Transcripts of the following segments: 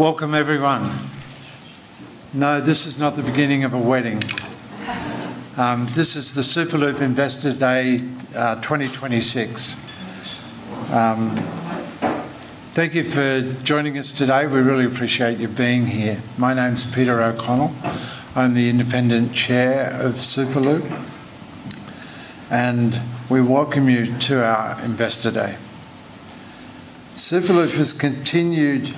Welcome, everyone. No, this is not the beginning of a wedding. This is the Superloop Investor Day 2026. Thank you for joining us today. We really appreciate you being here. My name's Peter O'Connell. I'm the Independent Chair of Superloop, and we welcome you to our Investor Day. Superloop has continued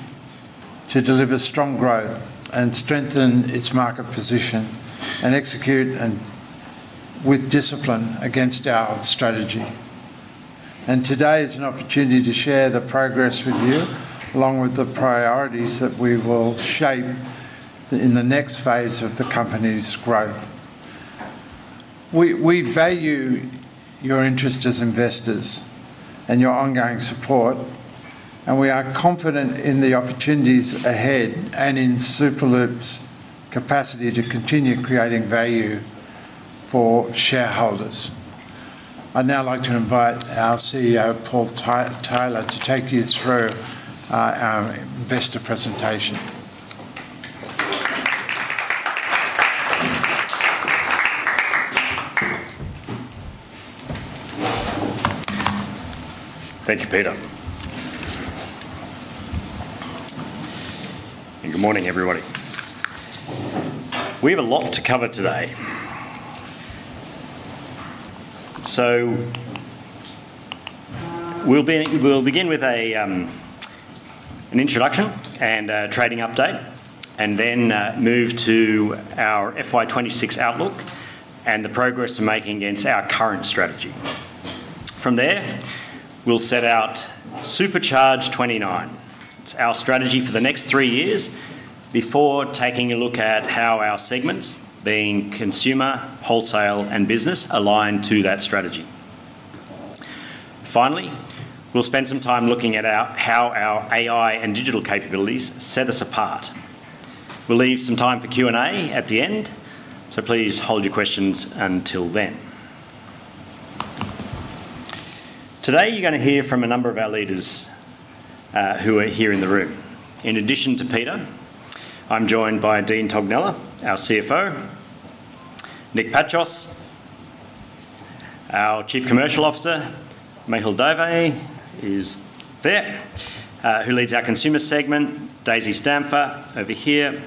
to deliver strong growth and strengthen its market position, execute with discipline against our strategy. Today is an opportunity to share the progress with you, along with the priorities that we will shape in the next phase of the company's growth. We value your interest as investors and your ongoing support, we are confident in the opportunities ahead and in Superloop's capacity to continue creating value for shareholders. I'd now like to invite our CEO, Paul Tyler, to take you through our investor presentation. Thank you, Peter. Good morning, everybody. We have a lot to cover today. We'll begin with an introduction and a trading update, and then move to our FY 2026 outlook and the progress we're making against our current strategy. From there, we'll set out SUPERCHARGE 2029. It's our strategy for the next three years before taking a look at how our segments, being Consumer, Wholesale, and Business, align to that strategy. Finally, we'll spend some time looking at how our AI and digital capabilities set us apart. We'll leave some time for Q&A at the end, so please hold your questions until then. Today, you're going to hear from a number of our leaders who are here in the room. In addition to Peter, I'm joined by Dean Tognella, our CFO, Nick Pachos, our Chief Commercial Officer, Mehul Dave is there, who leads our Consumer segment, Daisey Stampfer over here,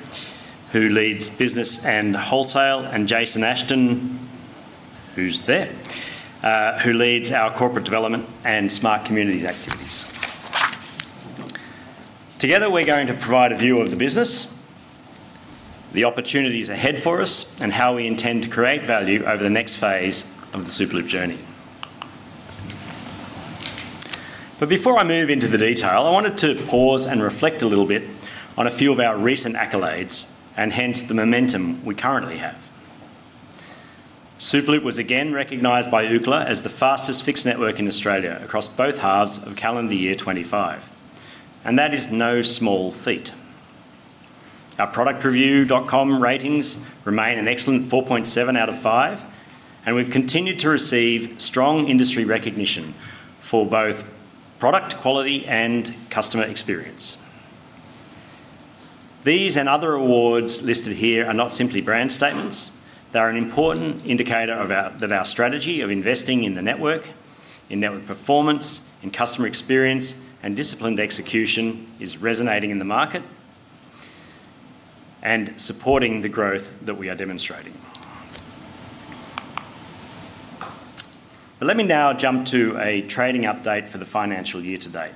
who leads Business & Wholesale, and Jason Ashton, who's there, who leads our Corporate Development & Smart Communities activities. Together, we're going to provide a view of the business, the opportunities ahead for us, and how we intend to create value over the next phase of the Superloop journey. Before I move into the detail, I wanted to pause and reflect a little bit on a few of our recent accolades, and hence the momentum we currently have. Superloop was again recognized by Ookla as the fastest fixed network in Australia across both halves of calendar year 2025, and that is no small feat. Our ProductReview.com ratings remain an excellent 4.7 out of 5, we've continued to receive strong industry recognition for both product quality and customer experience. These and other awards listed here are not simply brand statements, they're an important indicator that our strategy of investing in the network, in network performance, in customer experience, and disciplined execution is resonating in the market and supporting the growth that we are demonstrating. Let me now jump to a trading update for the financial year to date.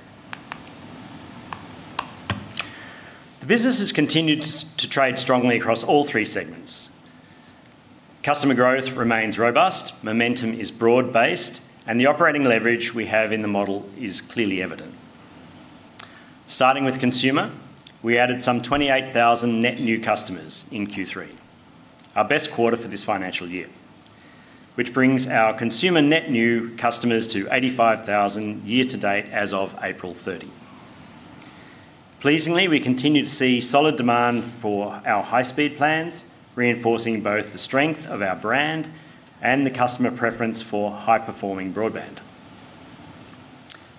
The business has continued to trade strongly across all three segments. Customer growth remains robust, momentum is broad-based, and the operating leverage we have in the model is clearly evident. Starting with consumer, we added some 28,000 net new customers in Q3, our best quarter for this financial year, which brings our consumer net new customers to 85,000 year to date as of April 30. Pleasingly, we continue to see solid demand for our high-speed plans, reinforcing both the strength of our brand and the customer preference for high-performing broadband.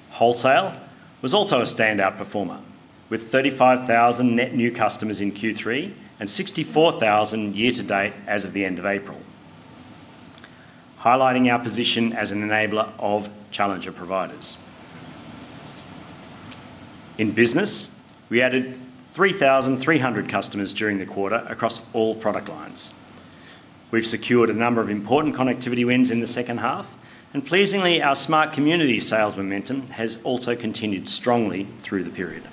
Wholesale was also a standout performer, with 35,000 net new customers in Q3 and 64,000 year to date as of the end of April, highlighting our position as an enabler of challenger providers. In business, we added 3,300 customers during the quarter across all product lines. We've secured a number of important connectivity wins in the second half, and pleasingly, our Smart Communities sales momentum has also continued strongly through the period.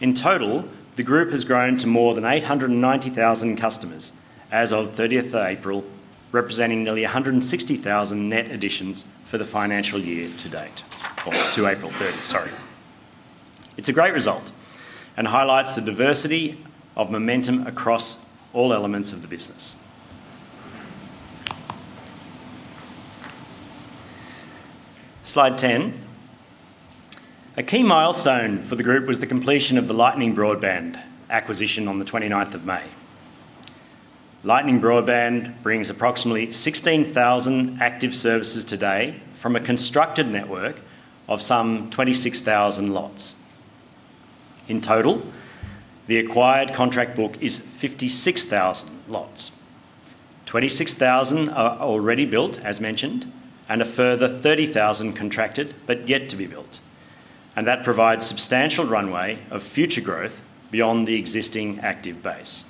In total, the group has grown to more than 890,000 customers as of 30th of April, representing nearly 160,000 net additions for the financial year to date, or to April 30, sorry. It's a great result and highlights the diversity of momentum across all elements of the business. Slide 10. A key milestone for the group was the completion of the Lightning Broadband acquisition on the 29th of May. Lightning Broadband brings approximately 16,000 active services today from a constructed network of some 26,000 lots. In total, the acquired contract book is 56,000 lots. 26,000 are already built, as mentioned, and a further 30,000 contracted, but yet to be built. That provides substantial runway of future growth beyond the existing active base.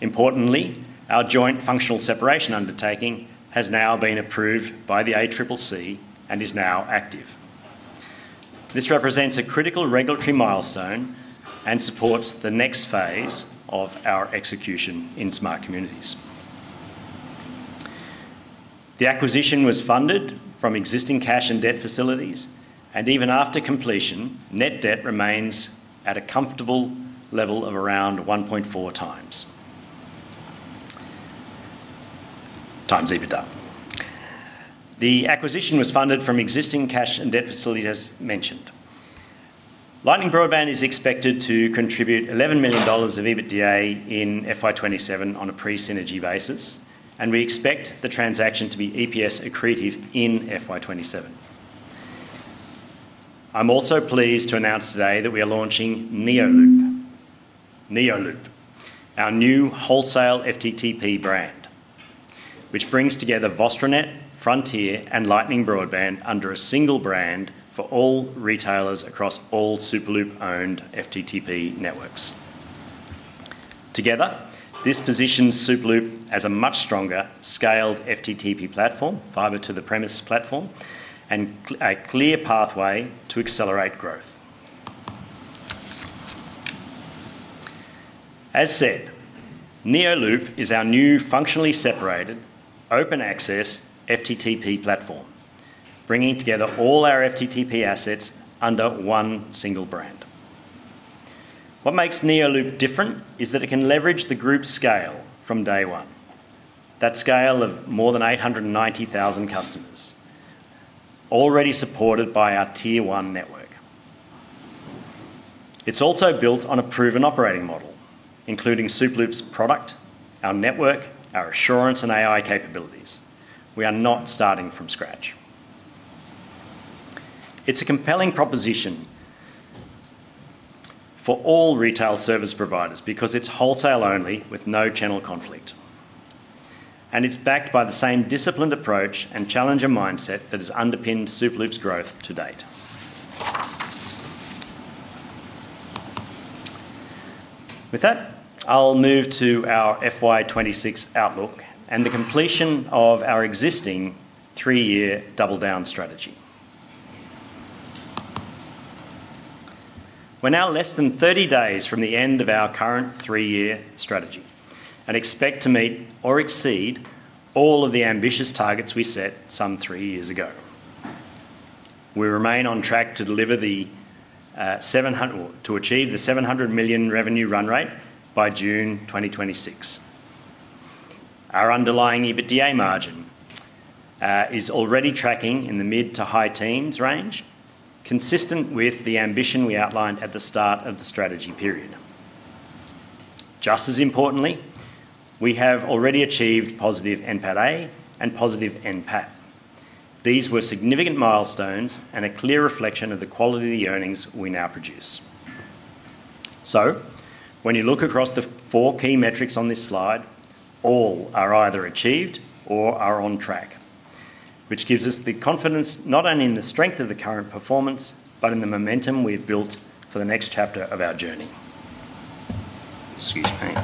Importantly, our joint functional separation undertaking has now been approved by the ACCC and is now active. This represents a critical regulatory milestone and supports the next phase of our execution in Smart Communities. The acquisition was funded from existing cash and debt facilities, and even after completion, net debt remains at a comfortable level of around 1.4x EBITDA. The acquisition was funded from existing cash and debt facilities, as mentioned. Lightning Broadband is expected to contribute AUD 11 million of EBITDA in FY 2027 on a pre-synergy basis, and we expect the transaction to be EPS accretive in FY 2027. I'm also pleased to announce today that we are launching neoloop. neoloop, our new wholesale FTTP brand, which brings together VostroNet, Frontier, and Lightning Broadband under a single brand for all retailers across all Superloop-owned FTTP networks. Together, this positions Superloop as a much stronger scaled FTTP platform, Fibre to the Premises platform, and a clear pathway to accelerate growth. As said, neoloop is our new functionally separated, open access FTTP platform, bringing together all our FTTP assets under one single brand. What makes neoloop different is that it can leverage the group's scale from day one. That scale of more than 890,000 customers already supported by our tier one network. It's also built on a proven operating model, including Superloop's product, our network, our assurance and AI capabilities. We are not starting from scratch. It's a compelling proposition for all retail service providers because it's wholesale only with no channel conflict. It's backed by the same disciplined approach and challenger mindset that has underpinned Superloop's growth to date. With that, I'll move to our FY 2026 outlook and the completion of our existing three-year Double Down strategy. We're now less than 30 days from the end of our current three-year strategy and expect to meet or exceed all of the ambitious targets we set some three years ago. We remain on track to achieve the 700 million revenue run rate by June 2026. Our underlying EBITDA margin is already tracking in the mid to high teens range, consistent with the ambition we outlined at the start of the strategy period. Just as importantly, we have already achieved positive NPATA and positive NPAT. These were significant milestones and a clear reflection of the quality of the earnings we now produce. When you look across the four key metrics on this slide, all are either achieved or are on track, which gives us the confidence not only in the strength of the current performance, but in the momentum we've built for the next chapter of our journey. Excuse me.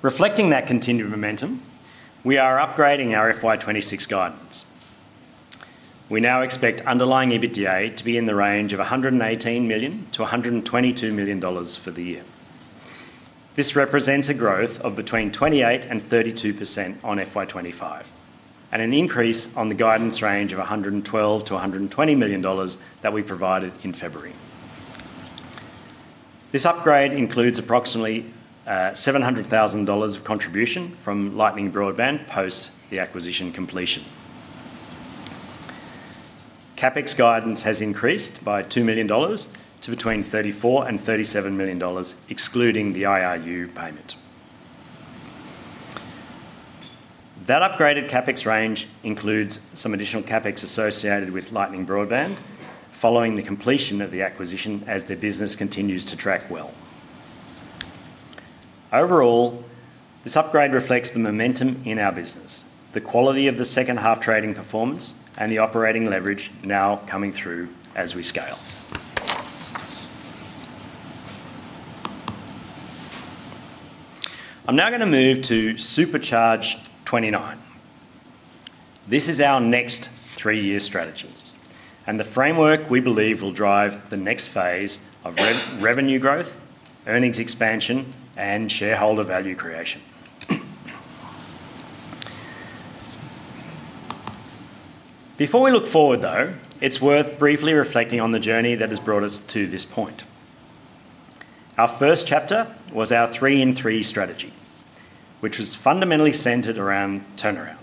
Reflecting that continued momentum, we are upgrading our FY 2026 guidance. We now expect underlying EBITDA to be in the range of 118 million-122 million dollars for the year. This represents a growth of between 28% and 32% on FY 2025, and an increase on the guidance range of 112 million-120 million dollars that we provided in February. This upgrade includes approximately 700,000 dollars of contribution from Lightning Broadband post the acquisition completion. CapEx guidance has increased by 2 million dollars to between 34 million and 37 million dollars, excluding the IRU payment. That upgraded CapEx range includes some additional CapEx associated with Lightning Broadband following the completion of the acquisition as the business continues to track well. Overall, this upgrade reflects the momentum in our business, the quality of the second half trading performance, and the operating leverage now coming through as we scale. I'm now going to move to SUPERCHARGE 2029. This is our next three-year strategy and the framework we believe will drive the next phase of revenue growth, earnings expansion, and shareholder value creation. Before we look forward, though, it's worth briefly reflecting on the journey that has brought us to this point. Our first chapter was our three-in-three strategy, which was fundamentally centered around turnaround,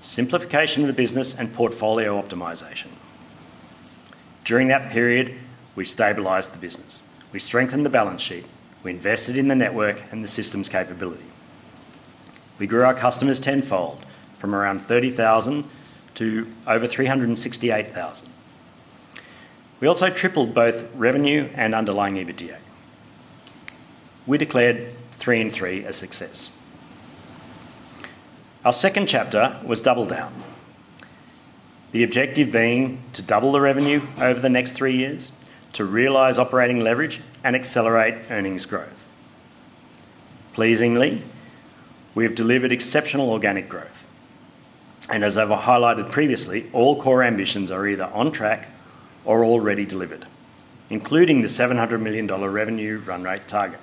simplification of the business, and portfolio optimization. During that period, we stabilized the business, we strengthened the balance sheet, we invested in the network and the systems capability. We grew our customers tenfold from around 30,000 to over 368,000. We also tripled both revenue and underlying EBITDA. We declared three-in-three a success. Our second chapter was Double Down, the objective being to double the revenue over the next three years, to realize operating leverage and accelerate earnings growth. Pleasingly, we have delivered exceptional organic growth. As I've highlighted previously, all core ambitions are either on track or already delivered, including the 700 million dollar revenue run rate target,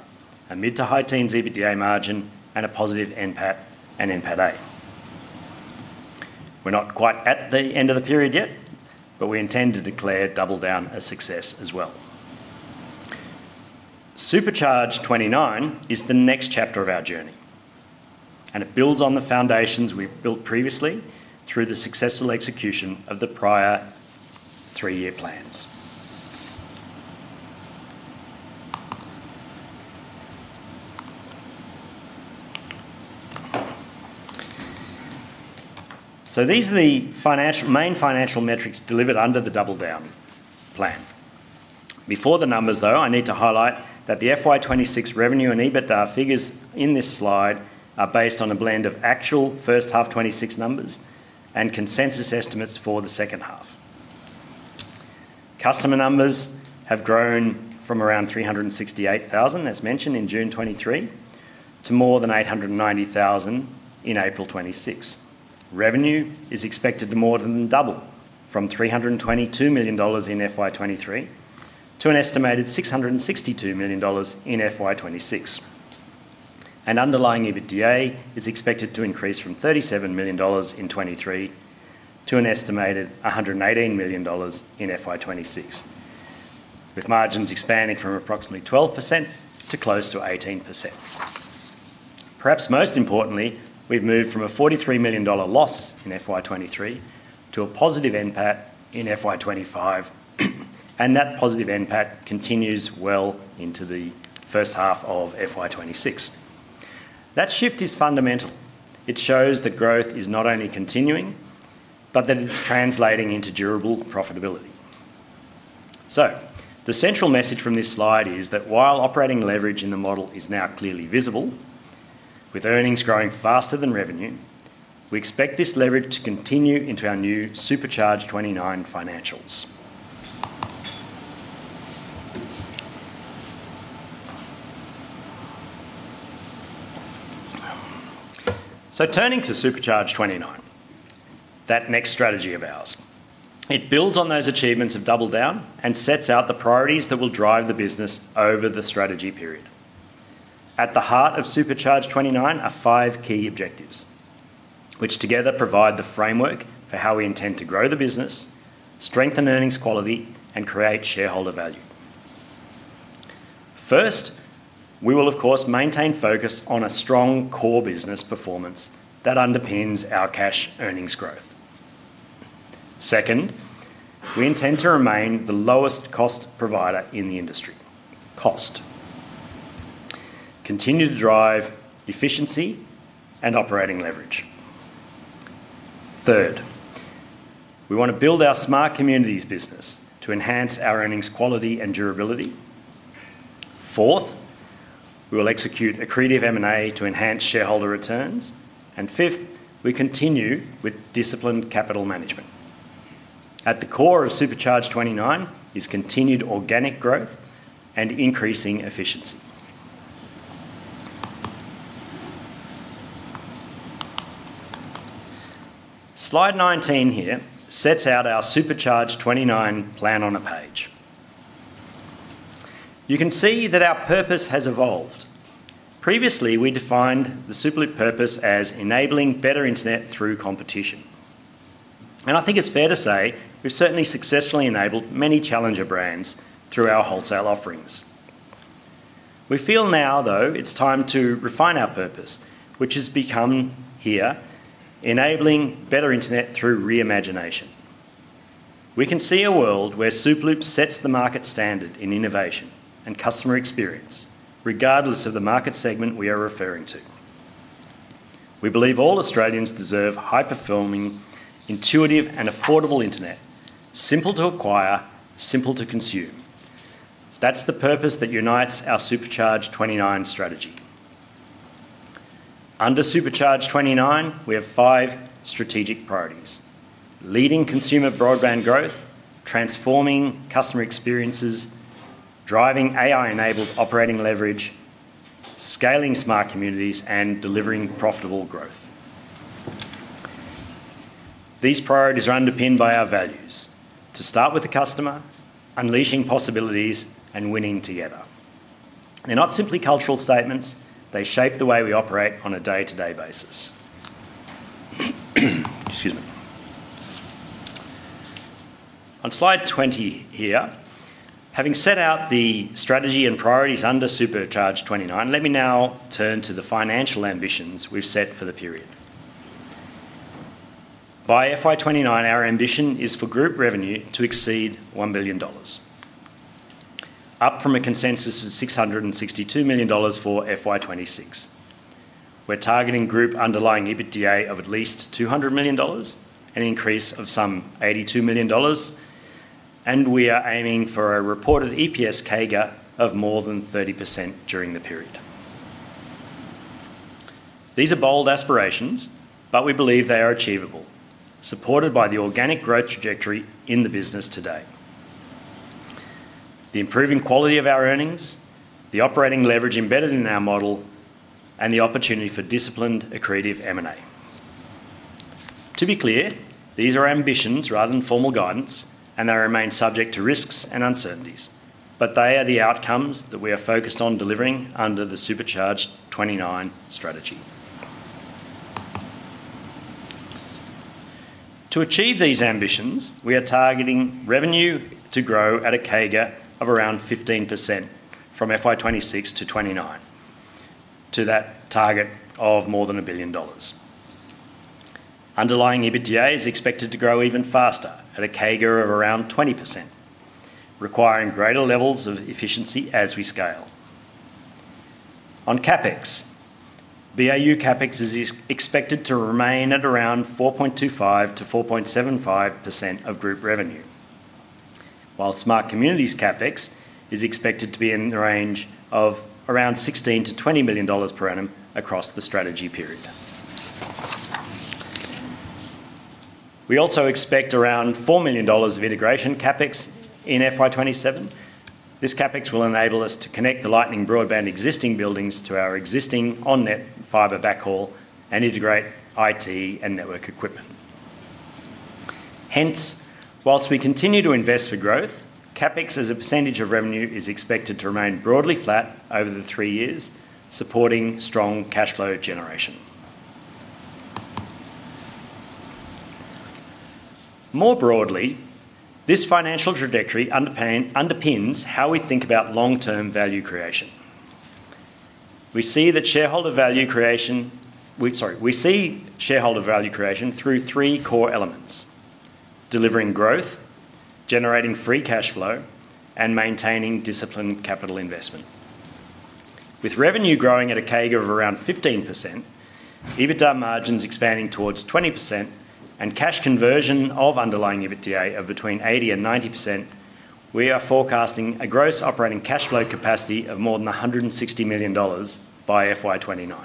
a mid to high teens EBITDA margin, and a positive NPAT and NPATA. We're not quite at the end of the period yet, but we intend to declare Double Down a success as well. SUPERCHARGE 2029 is the next chapter of our journey, and it builds on the foundations we've built previously through the successful execution of the prior three-year plans. These are the main financial metrics delivered under the Double Down plan. Before the numbers, though, I need to highlight that the FY 2026 revenue and EBITDA figures in this slide are based on a blend of actual first half 2026 numbers and consensus estimates for the second half. Customer numbers have grown from around 368,000, as mentioned in June 2023, to more than 890,000 in April 2026. Revenue is expected to more than double from 322 million dollars in FY 2023 to an estimated 662 million dollars in FY 2026. Underlying EBITDA is expected to increase from 37 million dollars in 2023 to an estimated 118 million dollars in FY 2026, with margins expanding from approximately 12% to close to 18%. Perhaps most importantly, we've moved from an 43 million dollar loss in FY 2023 to a positive NPAT in FY 2025, and that positive NPAT continues well into the first half of FY 2026. That shift is fundamental. It shows that growth is not only continuing, but that it's translating into durable profitability. The central message from this slide is that while operating leverage in the model is now clearly visible, with earnings growing faster than revenue, we expect this leverage to continue into our new SUPERCHARGE 2029 financials. Turning to SUPERCHARGE 2029, that next strategy of ours. It builds on those achievements of Double Down and sets out the priorities that will drive the business over the strategy period. At the heart of SUPERCHARGE 2029 are five key objectives, which together provide the framework for how we intend to grow the business, strengthen earnings quality, and create shareholder value. First, we will of course maintain focus on a strong core business performance that underpins our cash earnings growth. Second, we intend to remain the lowest cost provider in the industry. Continue to drive efficiency and operating leverage. Third, we want to build our Smart Communities business to enhance our earnings quality and durability. Fourth, we will execute accretive M&A to enhance shareholder returns. Fifth, we continue with disciplined capital management. At the core of SUPERCHARGE 2029 is continued organic growth and increasing efficiency. Slide 19 here sets out our SUPERCHARGE 2029 plan on a page. You can see that our purpose has evolved. Previously, we defined the Superloop purpose as enabling better internet through competition. I think it's fair to say we've certainly successfully enabled many challenger brands through our wholesale offerings. We feel now, though, it's time to refine our purpose, which has become, here, enabling better internet through reimagination. We can see a world where Superloop sets the market standard in innovation and customer experience, regardless of the market segment we are referring to. We believe all Australians deserve high-performing, intuitive, and affordable internet, simple to acquire, simple to consume. That's the purpose that unites our SUPERCHARGE 2029 strategy. Under SUPERCHARGE 2029, we have five strategic priorities: leading consumer broadband growth, transforming customer experiences, driving AI-enabled operating leverage, scaling Smart Communities, and delivering profitable growth. These priorities are underpinned by our values. To start with the customer, unleashing possibilities, and winning together. They're not simply cultural statements, they shape the way we operate on a day-to-day basis. Excuse me. On slide 20 here, having set out the strategy and priorities under SUPERCHARGE 2029, let me now turn to the financial ambitions we've set for the period. By FY 2029, our ambition is for group revenue to exceed 1 billion dollars, up from a consensus of 662 million dollars for FY 2026. We're targeting group underlying EBITDA of at least 200 million dollars, an increase of some 82 million dollars, and we are aiming for a reported EPS CAGR of more than 30% during the period. These are bold aspirations, but we believe they are achievable, supported by the organic growth trajectory in the business today, the improving quality of our earnings, the operating leverage embedded in our model, and the opportunity for disciplined, accretive M&A. To be clear, these are ambitions rather than formal guidance, and they remain subject to risks and uncertainties. They are the outcomes that we are focused on delivering under the SUPERCHARGE 2029 strategy. To achieve these ambitions, we are targeting revenue to grow at a CAGR of around 15% from FY 2026 to 2029 to that target of more than 1 billion dollars. Underlying EBITDA is expected to grow even faster, at a CAGR of around 20%, requiring greater levels of efficiency as we scale. On CapEx, BAU CapEx is expected to remain at around 4.25%-4.75% of group revenue. While Smart Communities CapEx is expected to be in the range of around 16 million-20 million dollars per annum across the strategy period. We also expect around 4 million dollars of integration CapEx in FY 2027. This CapEx will enable us to connect the Lightning Broadband existing buildings to our existing on-net fiber backhaul and integrate IT and network equipment. While we continue to invest for growth, CapEx as a percentage of revenue is expected to remain broadly flat over the three years, supporting strong cash flow generation. More broadly, this financial trajectory underpins how we think about long-term value creation. We see shareholder value creation through three core elements: delivering growth, generating free cash flow, and maintaining disciplined capital investment. With revenue growing at a CAGR of around 15%, EBITDA margins expanding towards 20%, and cash conversion of underlying EBITDA of between 80% and 90%, we are forecasting a gross operating cash flow capacity of more than 160 million dollars by FY 2029.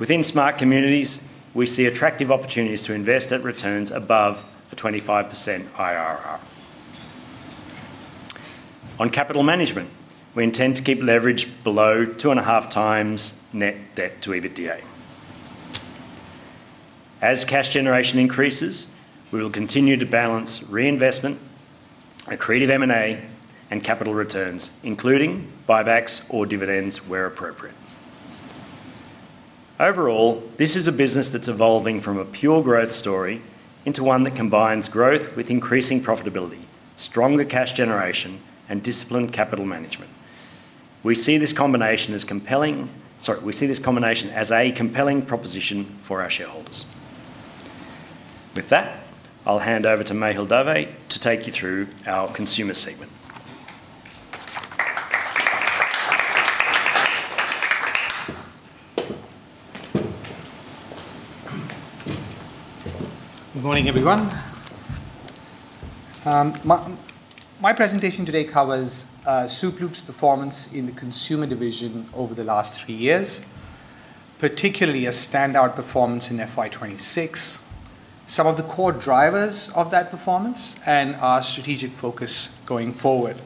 Within Smart Communities, we see attractive opportunities to invest at returns above a 25% IRR. On capital management, we intend to keep leverage below 2.5x net debt to EBITDA. As cash generation increases, we will continue to balance reinvestment, accretive M&A, and capital returns, including buybacks or dividends where appropriate. Overall, this is a business that's evolving from a pure growth story into one that combines growth with increasing profitability, stronger cash generation, and disciplined capital management. We see this combination as a compelling proposition for our shareholders. With that, I'll hand over to Mehul Dave to take you through our consumer segment. Good morning, everyone. My presentation today covers Superloop's performance in the consumer division over the last three years, particularly a standout performance in FY 2026, some of the core drivers of that performance, and our strategic focus going forward.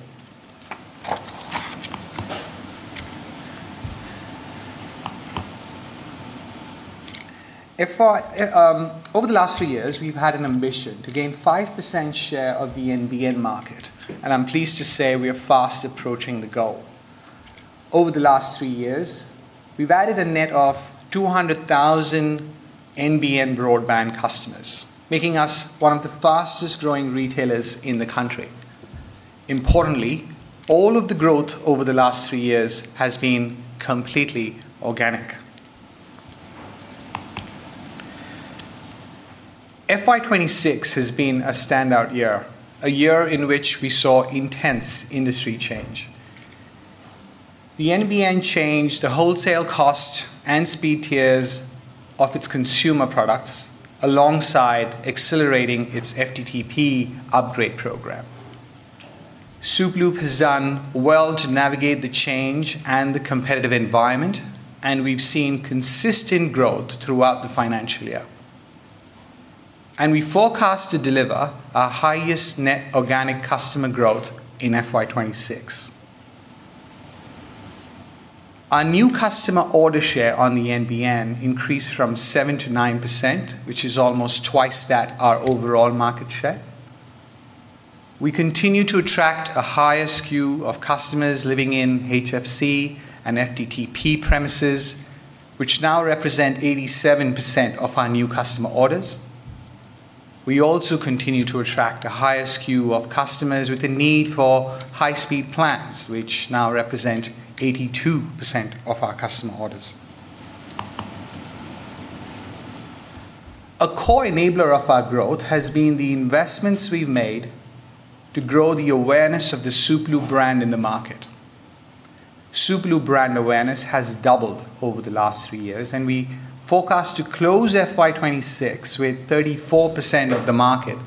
Over the last few years, we've had an ambition to gain 5% share of the NBN market, and I'm pleased to say we are fast approaching the goal. Over the last three years, we've added a net of 200,000 NBN broadband customers, making us one of the fastest-growing retailers in the country. Importantly, all of the growth over the last three years has been completely organic. FY 2026 has been a standout year, a year in which we saw intense industry change. The NBN changed the wholesale cost and speed tiers of its consumer products alongside accelerating its FTTP upgrade program. Superloop has done well to navigate the change and the competitive environment, and we've seen consistent growth throughout the financial year. We forecast to deliver our highest net organic customer growth in FY 2026. Our new customer order share on the NBN increased from 7%-9%, which is almost twice that our overall market share. We continue to attract a higher skew of customers living in HFC and FTTP premises, which now represent 87% of our new customer orders. We also continue to attract a higher skew of customers with a need for high-speed plans, which now represent 82% of our customer orders. A core enabler of our growth has been the investments we've made to grow the awareness of the Superloop brand in the market. Superloop brand awareness has doubled over the last three years. We forecast to close FY 2026 with 34% of the market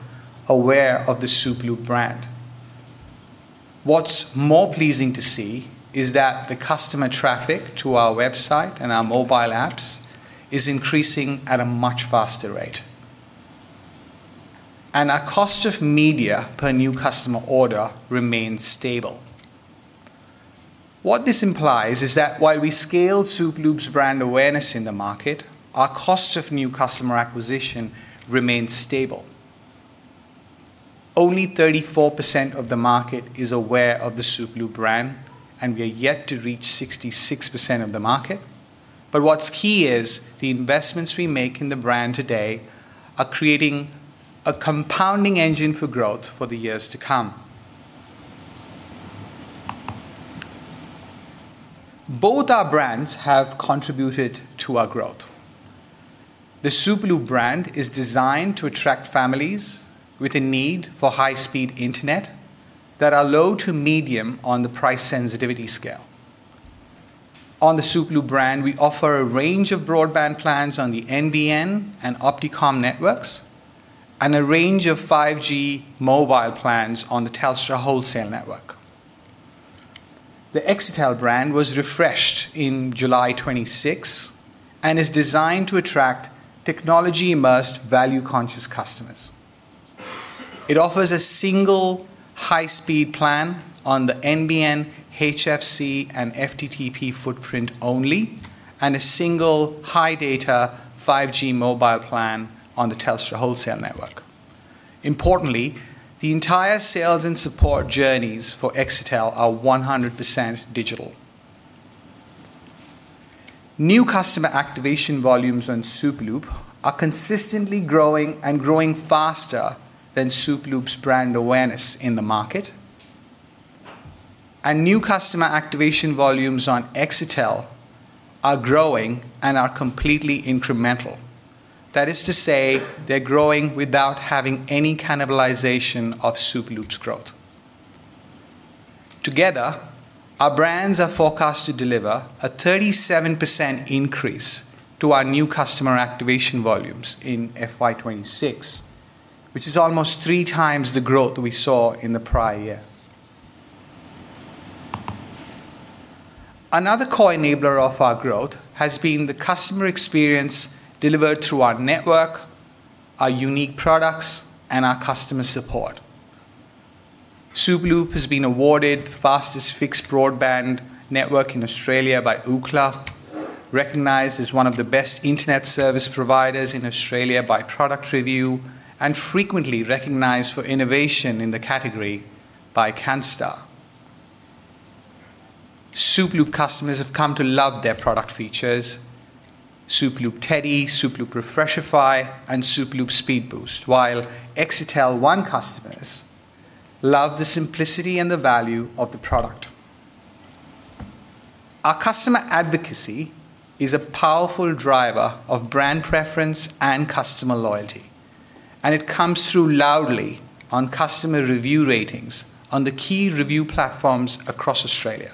aware of the Superloop brand. What's more pleasing to see is that the customer traffic to our website and our mobile apps is increasing at a much faster rate. Our cost of media per new customer order remains stable. What this implies is that while we scale Superloop's brand awareness in the market, our cost of new customer acquisition remains stable. Only 34% of the market is aware of the Superloop brand. We are yet to reach 66% of the market. What's key is, the investments we make in the brand today are creating a compounding engine for growth for the years to come. Both our brands have contributed to our growth. The Superloop brand is designed to attract families with a need for high-speed internet that are low to medium on the price sensitivity scale. On the Superloop brand, we offer a range of broadband plans on the NBN and OptiComm networks and a range of 5G mobile plans on the Telstra wholesale network. The Exetel brand was refreshed in July 26 and is designed to attract technology-immersed, value-conscious customers. It offers a single high-speed plan on the NBN, HFC, and FTTP footprint only, and a single high-data 5G mobile plan on the Telstra wholesale network. Importantly, the entire sales and support journeys for Exetel are 100% digital. New customer activation volumes on Superloop are consistently growing and growing faster than Superloop's brand awareness in the market. New customer activation volumes on Exetel are growing and are completely incremental. That is to say, they're growing without having any cannibalization of Superloop's growth. Together, our brands are forecast to deliver a 37% increase to our new customer activation volumes in FY 2026, which is almost three times the growth we saw in the prior year. Another core enabler of our growth has been the customer experience delivered through our network, our unique products, and our customer support. Superloop has been awarded Fastest Fixed Broadband Network in Australia by Ookla, recognized as one of the best internet service providers in Australia by Product Review, and frequently recognized for innovation in the category by Canstar. Superloop customers have come to love their product features, Superloop Teddy, Superloop Refreshify, and Superloop My Speed Boost, while Exetel One customers love the simplicity and the value of the product. Our customer advocacy is a powerful driver of brand preference and customer loyalty. It comes through loudly on customer review ratings on the key review platforms across Australia.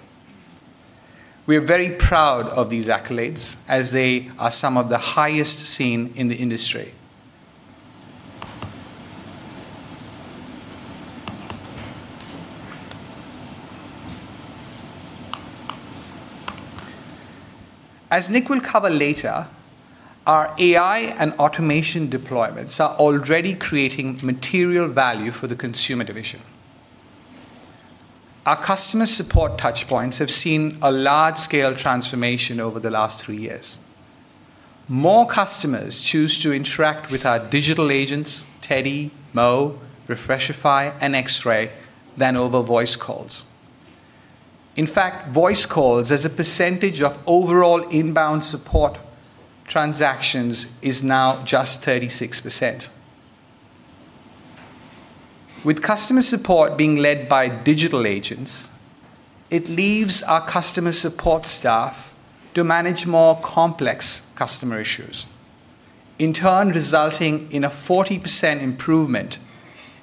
We are very proud of these accolades as they are some of the highest seen in the industry. As Nick will cover later, our AI and automation deployments are already creating material value for the Consumer division. Our customer support touchpoints have seen a large-scale transformation over the last three years. More customers choose to interact with our digital agents, Teddy, Mo, Refreshify, and X-Ray, than over voice calls. In fact, voice calls as a percentage of overall inbound support transactions is now just 36%. With customer support being led by digital agents, it leaves our customer support staff to manage more complex customer issues, in turn, resulting in a 40% improvement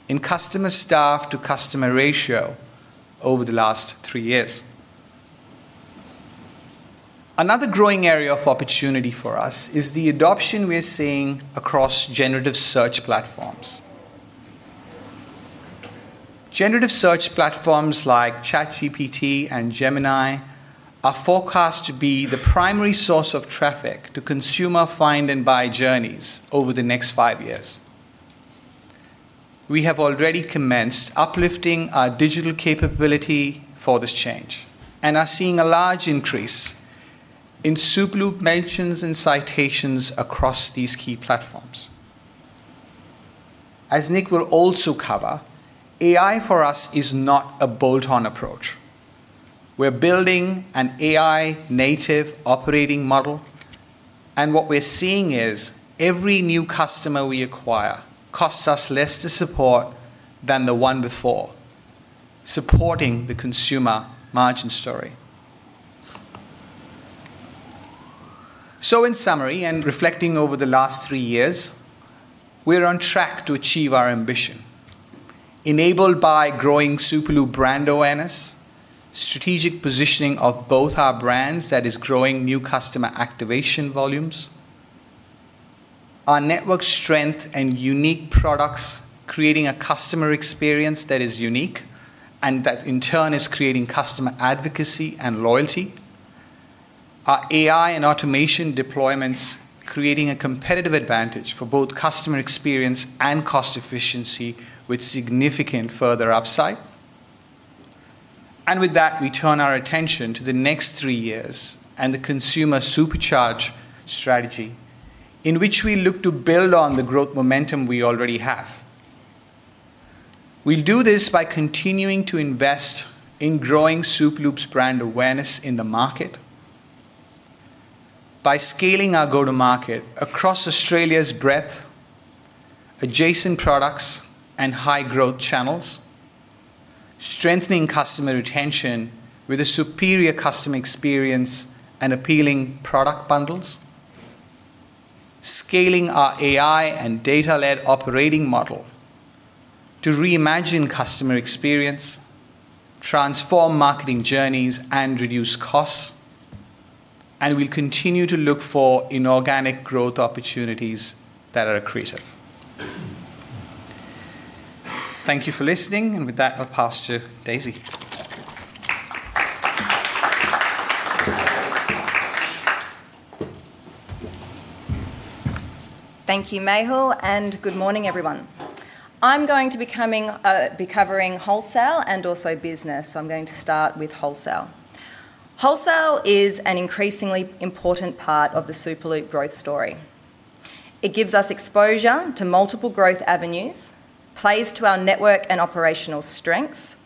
in customer staff to customer ratio over the last three years. Another growing area of opportunity for us is the adoption we're seeing across generative search platforms. Generative search platforms like ChatGPT and Gemini are forecast to be the primary source of traffic to consumer find and buy journeys over the next five years. We have already commenced uplifting our digital capability for this change and are seeing a large increase in Superloop mentions and citations across these key platforms. As Nick will also cover, AI for us is not a bolt-on approach. What we're seeing is every new customer we acquire costs us less to support than the one before, supporting the consumer margin story. In summary, and reflecting over the last three years, we're on track to achieve our ambition, enabled by growing Superloop brand awareness, strategic positioning of both our brands that is growing new customer activation volumes, our network strength and unique products, creating a customer experience that is unique, and that in turn is creating customer advocacy and loyalty. Our AI and automation deployments, creating a competitive advantage for both customer experience and cost efficiency with significant further upside. With that, we turn our attention to the next three years and the consumer SUPERCHARGE strategy, in which we look to build on the growth momentum we already have. We'll do this by continuing to invest in growing Superloop's brand awareness in the market, by scaling our go-to-market across Australia's breadth, adjacent products and high growth channels, strengthening customer retention with a superior customer experience and appealing product bundles, scaling our AI and data-led operating model to reimagine customer experience, transform marketing journeys, and reduce costs. We'll continue to look for inorganic growth opportunities that are accretive. Thank you for listening, and with that, I'll pass to Daisey. Thank you, Mehul, good morning, everyone. I'm going to be covering wholesale and also business. I'm going to start with wholesale. Wholesale is an increasingly important part of the Superloop growth story. It gives us exposure to multiple growth avenues, plays to our network and operational strengths,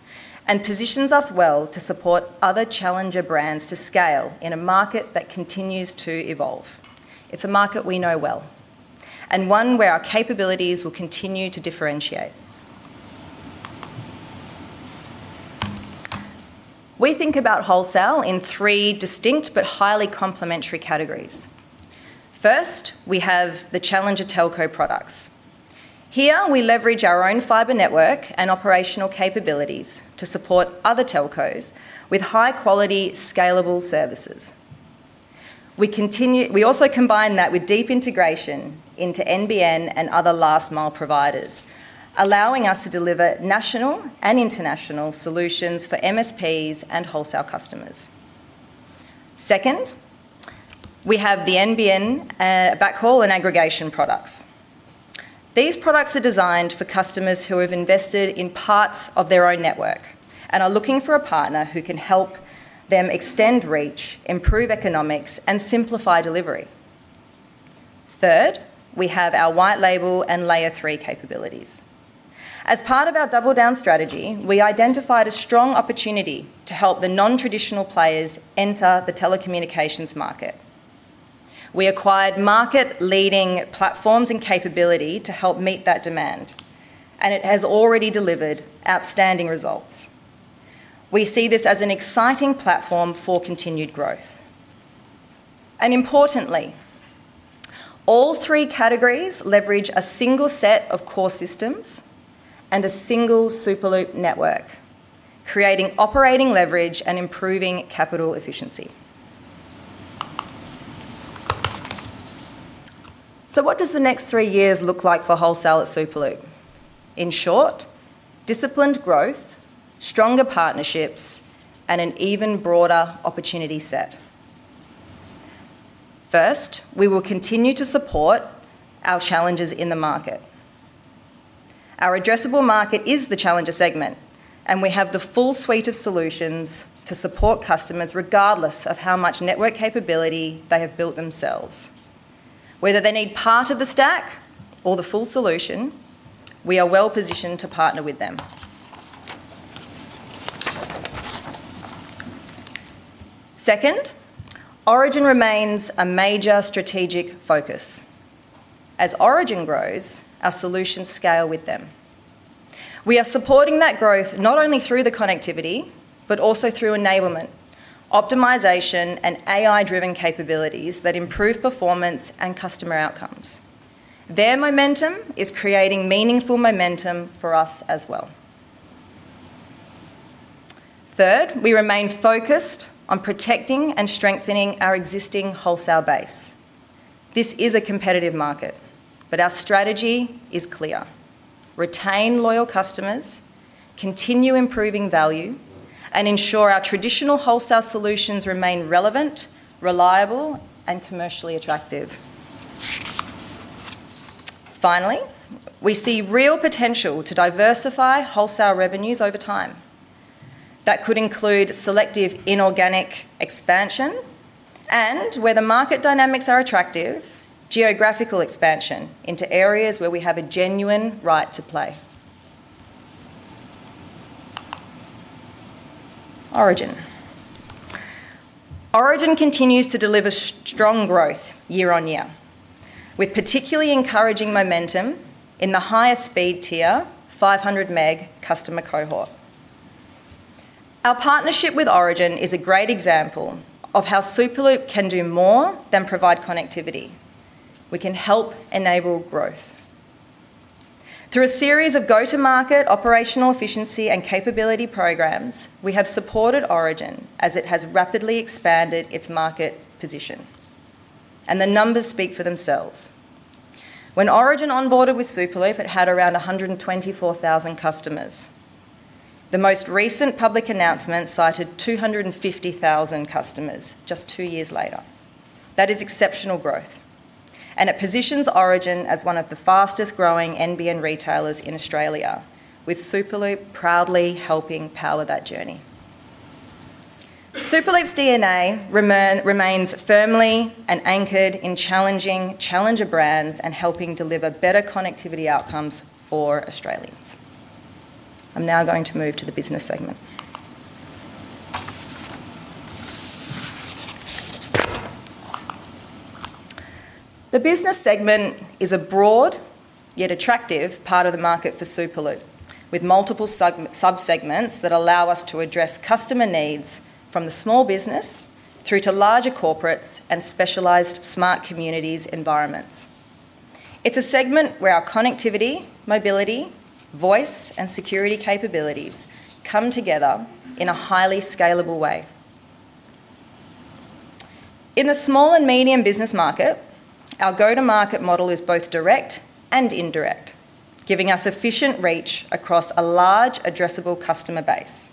and positions us well to support other challenger brands to scale in a market that continues to evolve. It's a market we know well, and one where our capabilities will continue to differentiate. We think about wholesale in three distinct but highly complementary categories. First, we have the challenger telco products. Here, we leverage our own fiber network and operational capabilities to support other telcos with high-quality, scalable services. We also combine that with deep integration into NBN and other last-mile providers, allowing us to deliver national and international solutions for MSPs and wholesale customers. Second, we have the NBN backhaul and aggregation products. These products are designed for customers who have invested in parts of their own network and are looking for a partner who can help them extend reach, improve economics, and simplify delivery. Third, we have our white label and layer three capabilities. As part of our Double Down strategy, we identified a strong opportunity to help the non-traditional players enter the telecommunications market. We acquired market-leading platforms and capability to help meet that demand, and it has already delivered outstanding results. We see this as an exciting platform for continued growth. Importantly, all three categories leverage a single set of core systems and a single Superloop network, creating operating leverage and improving capital efficiency. What does the next three years look like for wholesale at Superloop? In short, disciplined growth, stronger partnerships, and an even broader opportunity set. First, we will continue to support our challengers in the market. Our addressable market is the challenger segment, and we have the full suite of solutions to support customers regardless of how much network capability they have built themselves. Whether they need part of the stack or the full solution, we are well-positioned to partner with them. Second, Origin remains a major strategic focus. As Origin grows, our solutions scale with them. We are supporting that growth not only through the connectivity, but also through enablement, optimization, and AI-driven capabilities that improve performance and customer outcomes. Their momentum is creating meaningful momentum for us as well. Third, we remain focused on protecting and strengthening our existing wholesale base. This is a competitive market, but our strategy is clear: retain loyal customers, continue improving value, and ensure our traditional wholesale solutions remain relevant, reliable, and commercially attractive. Finally, we see real potential to diversify wholesale revenues over time. That could include selective inorganic expansion, and where the market dynamics are attractive, geographical expansion into areas where we have a genuine right to play. Origin continues to deliver strong growth year-on-year, with particularly encouraging momentum in the higher speed tier 500 Mb customer cohort. Our partnership with Origin is a great example of how Superloop can do more than provide connectivity. We can help enable growth. Through a series of go-to-market operational efficiency and capability programs, we have supported Origin as it has rapidly expanded its market position, and the numbers speak for themselves. When Origin onboarded with Superloop, it had around 124,000 customers. The most recent public announcement cited 250,000 customers just two years later. That is exceptional growth, and it positions Origin as one of the fastest-growing NBN retailers in Australia, with Superloop proudly helping power that journey. Superloop's DNA remains firmly and anchored in challenging challenger brands and helping deliver better connectivity outcomes for Australians. I'm now going to move to the business segment. The business segment is a broad, yet attractive part of the market for Superloop, with multiple sub-segments that allow us to address customer needs from the small business through to larger corporates and specialized Smart Communities environments. It's a segment where our connectivity, mobility, voice, and security capabilities come together in a highly scalable way. In the small and medium business market, our go-to-market model is both direct and indirect, giving us efficient reach across a large addressable customer base.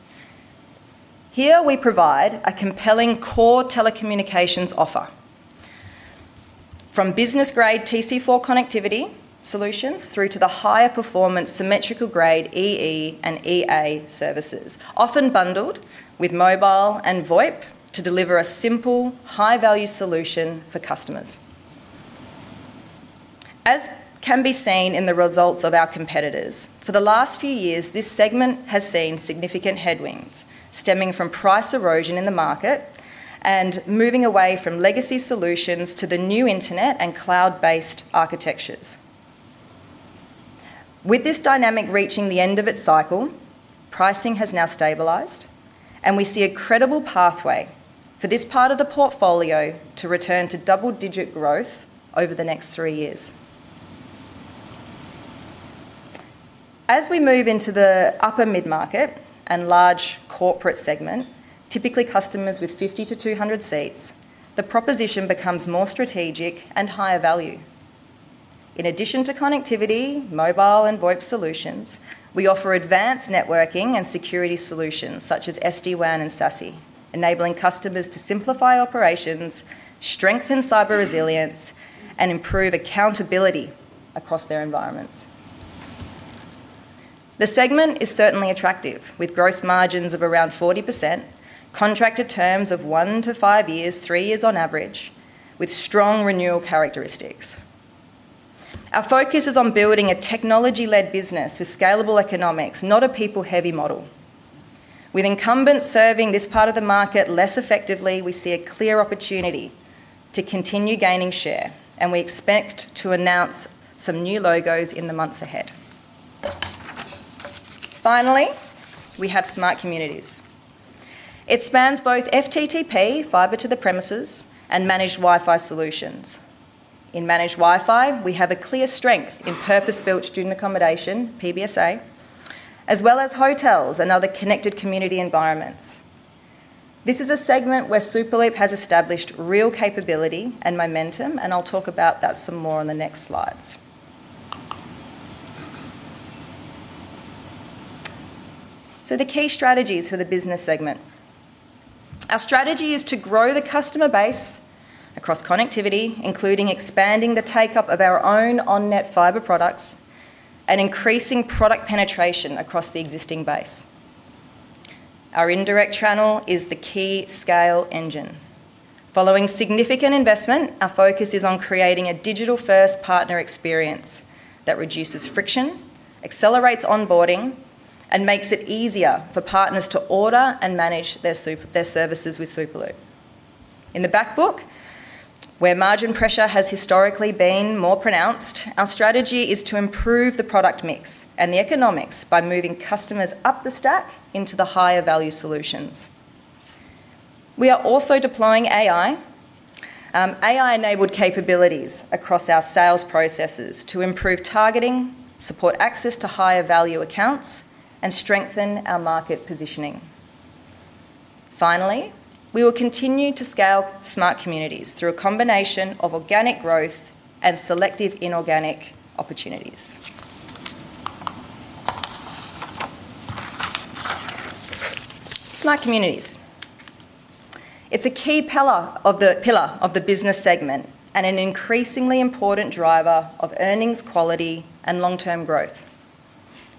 Here, we provide a compelling core telecommunications offer. From business-grade TC-4 connectivity solutions through to the higher performance symmetrical grade EE and EA services, often bundled with mobile and VoIP to deliver a simple, high-value solution for customers. As can be seen in the results of our competitors, for the last few years, this segment has seen significant headwinds stemming from price erosion in the market and moving away from legacy solutions to the new internet and cloud-based architectures. With this dynamic reaching the end of its cycle, pricing has now stabilized, and we see a credible pathway for this part of the portfolio to return to double-digit growth over the next three years. As we move into the upper mid-market and large corporate segment, typically customers with 50 to 200 seats, the proposition becomes more strategic and higher value. In addition to connectivity, mobile, and VoIP solutions, we offer advanced networking and security solutions such as SD-WAN and SASE, enabling customers to simplify operations, strengthen cyber resilience, and improve accountability across their environments. The segment is certainly attractive, with gross margins of around 40%, contracted terms of one to five years, three years on average, with strong renewal characteristics. Our focus is on building a technology-led business with scalable economics, not a people-heavy model. With incumbents serving this part of the market less effectively, we see a clear opportunity to continue gaining share, and we expect to announce some new logos in the months ahead. Finally, we have Smart Communities. It spans both FTTP, Fibre to the Premises, and managed Wi-Fi solutions. In managed Wi-Fi, we have a clear strength in purpose-built student accommodation, PBSA, as well as hotels and other connected community environments. This is a segment where Superloop has established real capability and momentum, and I'll talk about that some more on the next slides. The key strategies for the business segment. Our strategy is to grow the customer base across connectivity, including expanding the take-up of our own on-net fibre products and increasing product penetration across the existing base. Our indirect channel is the key scale engine. Following significant investment, our focus is on creating a digital-first partner experience that reduces friction, accelerates onboarding, and makes it easier for partners to order and manage their services with Superloop. In the back book, where margin pressure has historically been more pronounced, our strategy is to improve the product mix and the economics by moving customers up the stack into the higher-value solutions. We are also deploying AI-enabled capabilities across our sales processes to improve targeting, support access to higher-value accounts, and strengthen our market positioning. Finally, we will continue to scale Smart Communities through a combination of organic growth and selective inorganic opportunities. Smart Communities. It's a key pillar of the business segment and an increasingly important driver of earnings quality and long-term growth.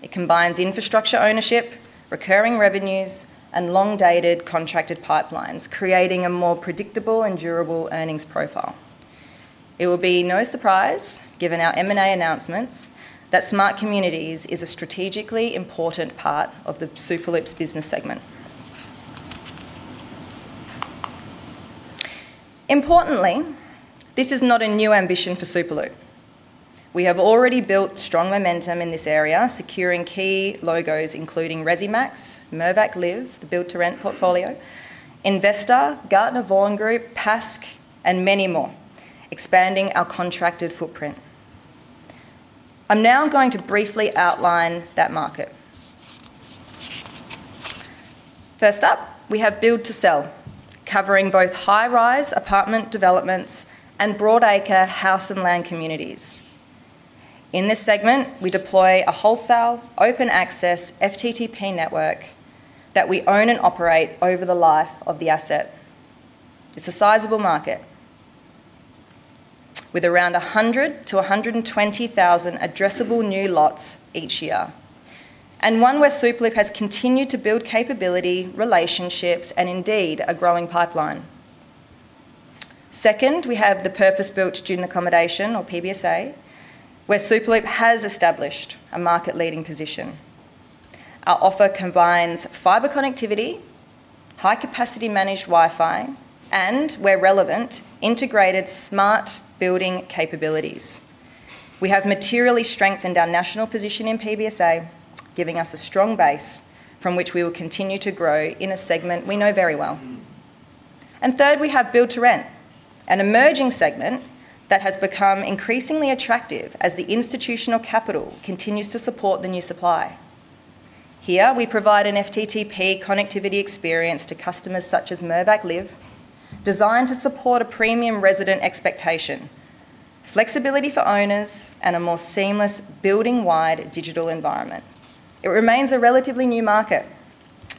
It combines infrastructure ownership, recurring revenues, and long-dated contracted pipelines, creating a more predictable and durable earnings profile. It will be no surprise, given our M&A announcements, that Smart Communities is a strategically important part of Superloop's business segment. Importantly, this is not a new ambition for Superloop. We have already built strong momentum in this area, securing key logos including Resimax, Mirvac LIV, the build-to-rent portfolio, Investa, Gardner Vaughan Group, Pask, and many more, expanding our contracted footprint. I'm now going to briefly outline that market. First up, we have build to sell, covering both high-rise apartment developments and broadacre house and land communities. In this segment, we deploy a wholesale, open access FTTP network that we own and operate over the life of the asset. It's a sizable market, with around 100 to 120,000 addressable new lots each year, and one where Superloop has continued to build capability, relationships, and indeed, a growing pipeline. Second, we have the purpose-built student accommodation, or PBSA, where Superloop has established a market-leading position. Our offer combines fiber connectivity, high-capacity managed Wi-Fi, and where relevant, integrated smart building capabilities. We have materially strengthened our national position in PBSA, giving us a strong base from which we will continue to grow in a segment we know very well. Third, we have build-to-rent, an emerging segment that has become increasingly attractive as the institutional capital continues to support the new supply. Here, we provide an FTTP connectivity experience to customers such as Mirvac LIV, designed to support a premium resident expectation, flexibility for owners, and a more seamless building-wide digital environment. It remains a relatively new market,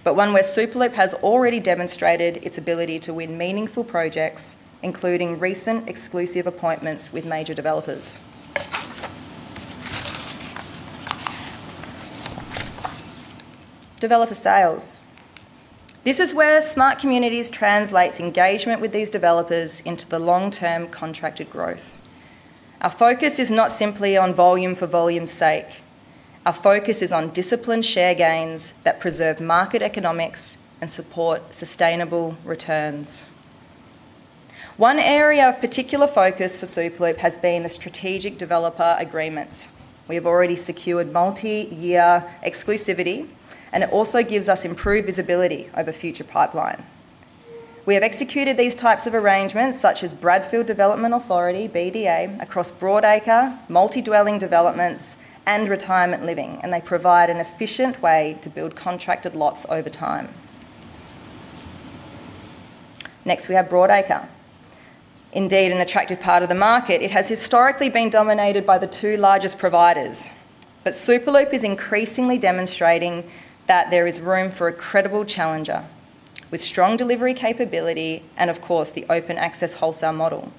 but one where Superloop has already demonstrated its ability to win meaningful projects, including recent exclusive appointments with major developers. Developer sales. This is where Smart Communities translates engagement with these developers into the long-term contracted growth. Our focus is not simply on volume for volume's sake. Our focus is on disciplined share gains that preserve market economics and support sustainable returns. One area of particular focus for Superloop has been the strategic developer agreements. We have already secured multi-year exclusivity, and it also gives us improved visibility over future pipeline. We have executed these types of arrangements, such as Bradfield Development Authority, BDA, across broadacre, multi-dwelling developments, and retirement living, and they provide an efficient way to build contracted lots over time. We have broadacre. An attractive part of the market. It has historically been dominated by the two largest providers. Superloop is increasingly demonstrating that there is room for a credible challenger with strong delivery capability and, of course, the open-access wholesale model.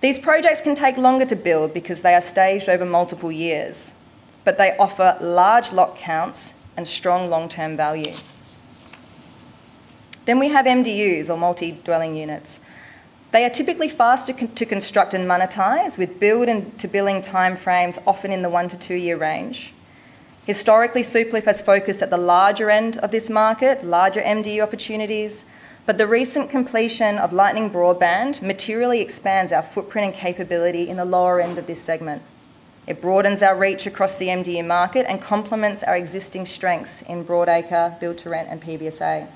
These projects can take longer to build because they are staged over multiple years, but they offer large lot counts and strong long-term value. We have MDUs, or multi-dwelling units. They are typically faster to construct and monetize, with build and to billing time frames often in the one to two year range. The recent completion of Lightning Broadband materially expands our footprint and capability in the lower end of this segment. It broadens our reach across the MDU market and complements our existing strengths in broadacre, build-to-rent, and PBSA.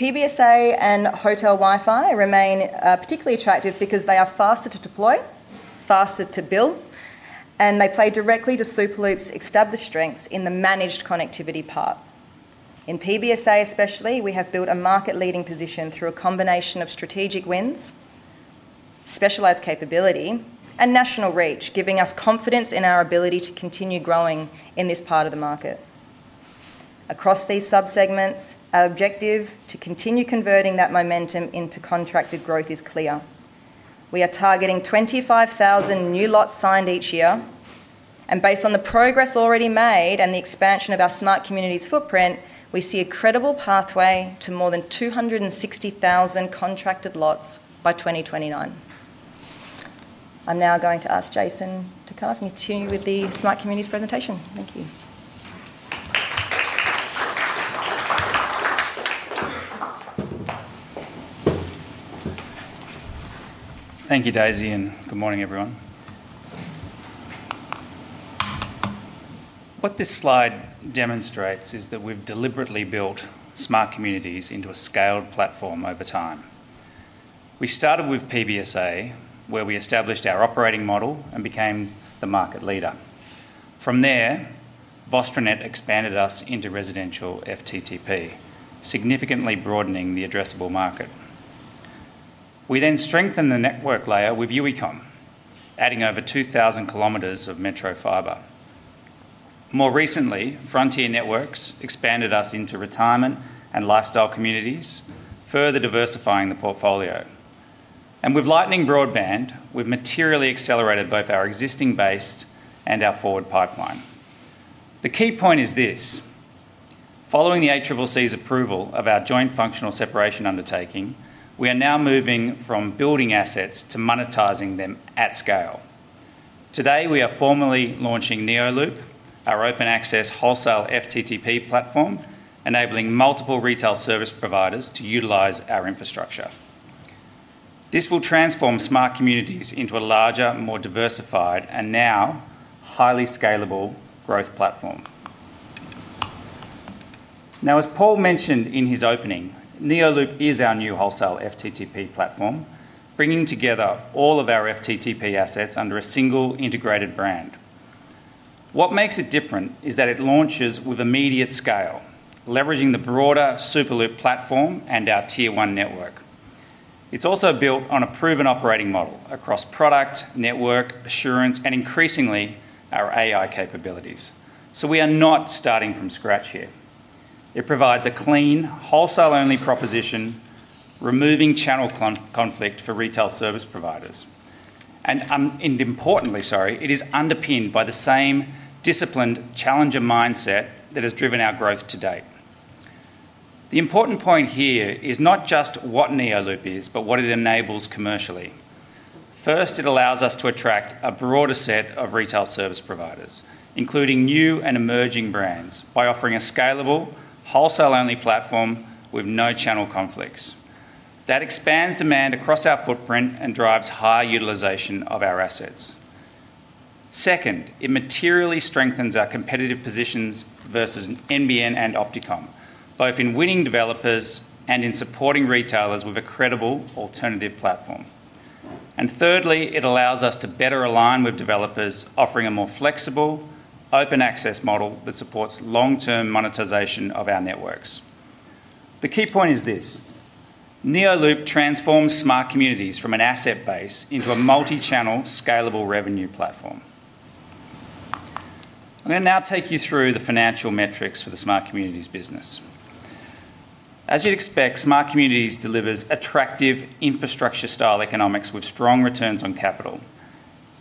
PBSA and hotel Wi-Fi remain particularly attractive because they are faster to deploy, faster to build, and they play directly to Superloop's established strengths in the managed connectivity part. In PBSA especially, we have built a market-leading position through a combination of strategic wins, specialized capability, and national reach, giving us confidence in our ability to continue growing in this part of the market. Across these subsegments, our objective to continue converting that momentum into contracted growth is clear. We are targeting 25,000 new lots signed each year. Based on the progress already made and the expansion of our Smart Communities footprint, we see a credible pathway to more than 260,000 contracted lots by 2029. I'm now going to ask Jason to continue with the Smart Communities presentation. Thank you. Thank you, Daisey, and good morning, everyone. What this slide demonstrates is that we've deliberately built Smart Communities into a scaled platform over time. We started with PBSA, where we established our operating model and became the market leader. From there, VostroNet expanded us into residential FTTP, significantly broadening the addressable market. We then strengthened the network layer with Uecomm, adding over 2,000 km of metro fiber. More recently, Frontier Networks expanded us into retirement and lifestyle communities, further diversifying the portfolio. With Lightning Broadband, we've materially accelerated both our existing base and our forward pipeline. The key point is this: following the ACCC's approval of our joint functional separation undertaking, we are now moving from building assets to monetizing them at scale. Today, we are formally launching neoloop, our open access wholesale FTTP platform, enabling multiple retail service providers to utilize our infrastructure. This will transform Smart Communities into a larger, more diversified, and now highly scalable growth platform. As Paul mentioned in his opening, neoloop is our new wholesale FTTP platform, bringing together all of our FTTP assets under a single integrated brand. What makes it different is that it launches with immediate scale, leveraging the broader Superloop platform and our tier-one network. It is also built on a proven operating model across product, network assurance, and increasingly, our AI capabilities. We are not starting from scratch here. It provides a clean, wholesale-only proposition, removing channel conflict for retail service providers. Importantly, it is underpinned by the same disciplined challenger mindset that has driven our growth to date. The important point here is not just what neoloop is, but what it enables commercially. It allows us to attract a broader set of retail service providers, including new and emerging brands, by offering a scalable, wholesale-only platform with no channel conflicts. That expands demand across our footprint and drives higher utilization of our assets. It materially strengthens our competitive positions versus NBN and OptiComm, both in winning developers and in supporting retailers with a credible alternative platform. Thirdly, it allows us to better align with developers, offering a more flexible, open access model that supports long-term monetization of our networks. The key point is this: neoloop transforms Smart Communities from an asset base into a multi-channel, scalable revenue platform. I'm going to now take you through the financial metrics for the Smart Communities business. As you'd expect, Smart Communities delivers attractive infrastructure-style economics with strong returns on capital.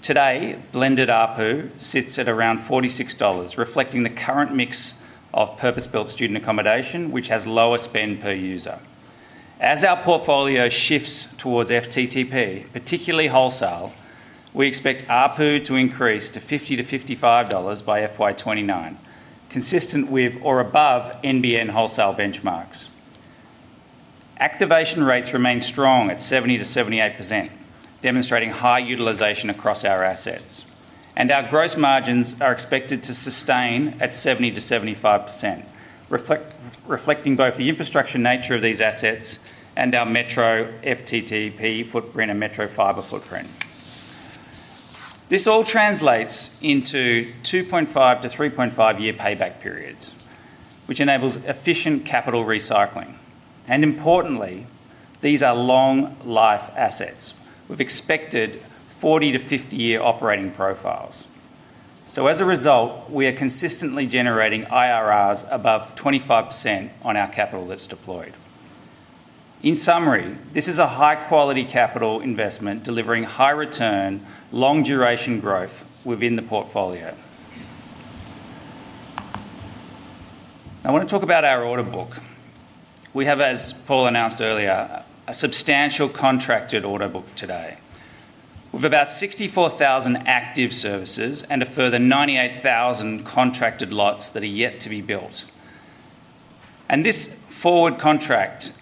Today, blended ARPU sits at around 46 dollars, reflecting the current mix of purpose-built student accommodation, which has lower spend per user. As our portfolio shifts towards FTTP, particularly wholesale, we expect ARPU to increase to 50-55 dollars by FY 2029, consistent with or above NBN wholesale benchmarks. Activation rates remain strong at 70%-78%, demonstrating high utilization across our assets. Our gross margins are expected to sustain at 70%-75%, reflecting both the infrastructure nature of these assets and our metro FTTP footprint and metro fiber footprint. This all translates into 2.5-year-3.5-year payback periods, which enables efficient capital recycling. Importantly, these are long-life assets with expected 40- to 50-year operating profiles. As a result, we are consistently generating IRRs above 25% on our capital that's deployed. In summary, this is a high-quality capital investment delivering high return, long-duration growth within the portfolio. I want to talk about our order book. We have, as Paul announced earlier, a substantial contracted order book today with about 64,000 active services and a further 98,000 contracted lots that are yet to be built. This forward contract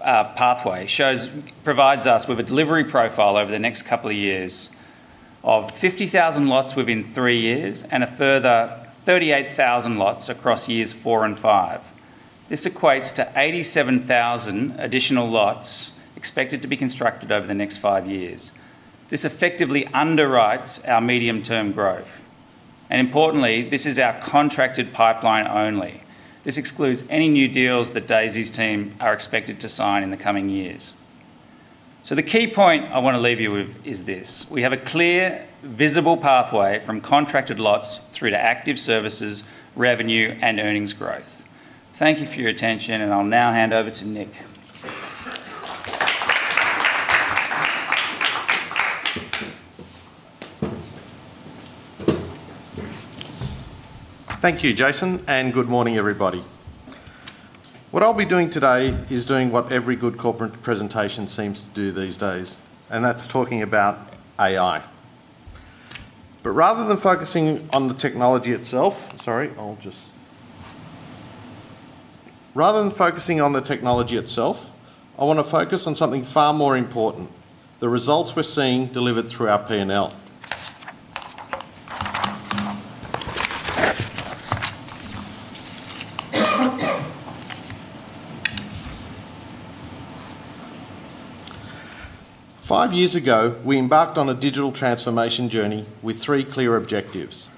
pathway provides us with a delivery profile over the next couple of years of 50,000 lots within three years and a further 38,000 lots across years four and five. This equates to 87,000 additional lots expected to be constructed over the next five years. This effectively underwrites our medium-term growth. Importantly, this is our contracted pipeline only. This excludes any new deals that Daisey's team are expected to sign in the coming years. The key point I want to leave you with is this: We have a clear, visible pathway from contracted lots through to active services, revenue, and earnings growth. Thank you for your attention, and I'll now hand over to Nick. Thank you, Jason, and good morning, everybody. What I'll be doing today is doing what every good corporate presentation seems to do these days, and that's talking about AI. Rather than focusing on the technology itself, I want to focus on something far more important, the results we're seeing delivered through our P&L. Five years ago, we embarked on a digital transformation journey with three clear objectives.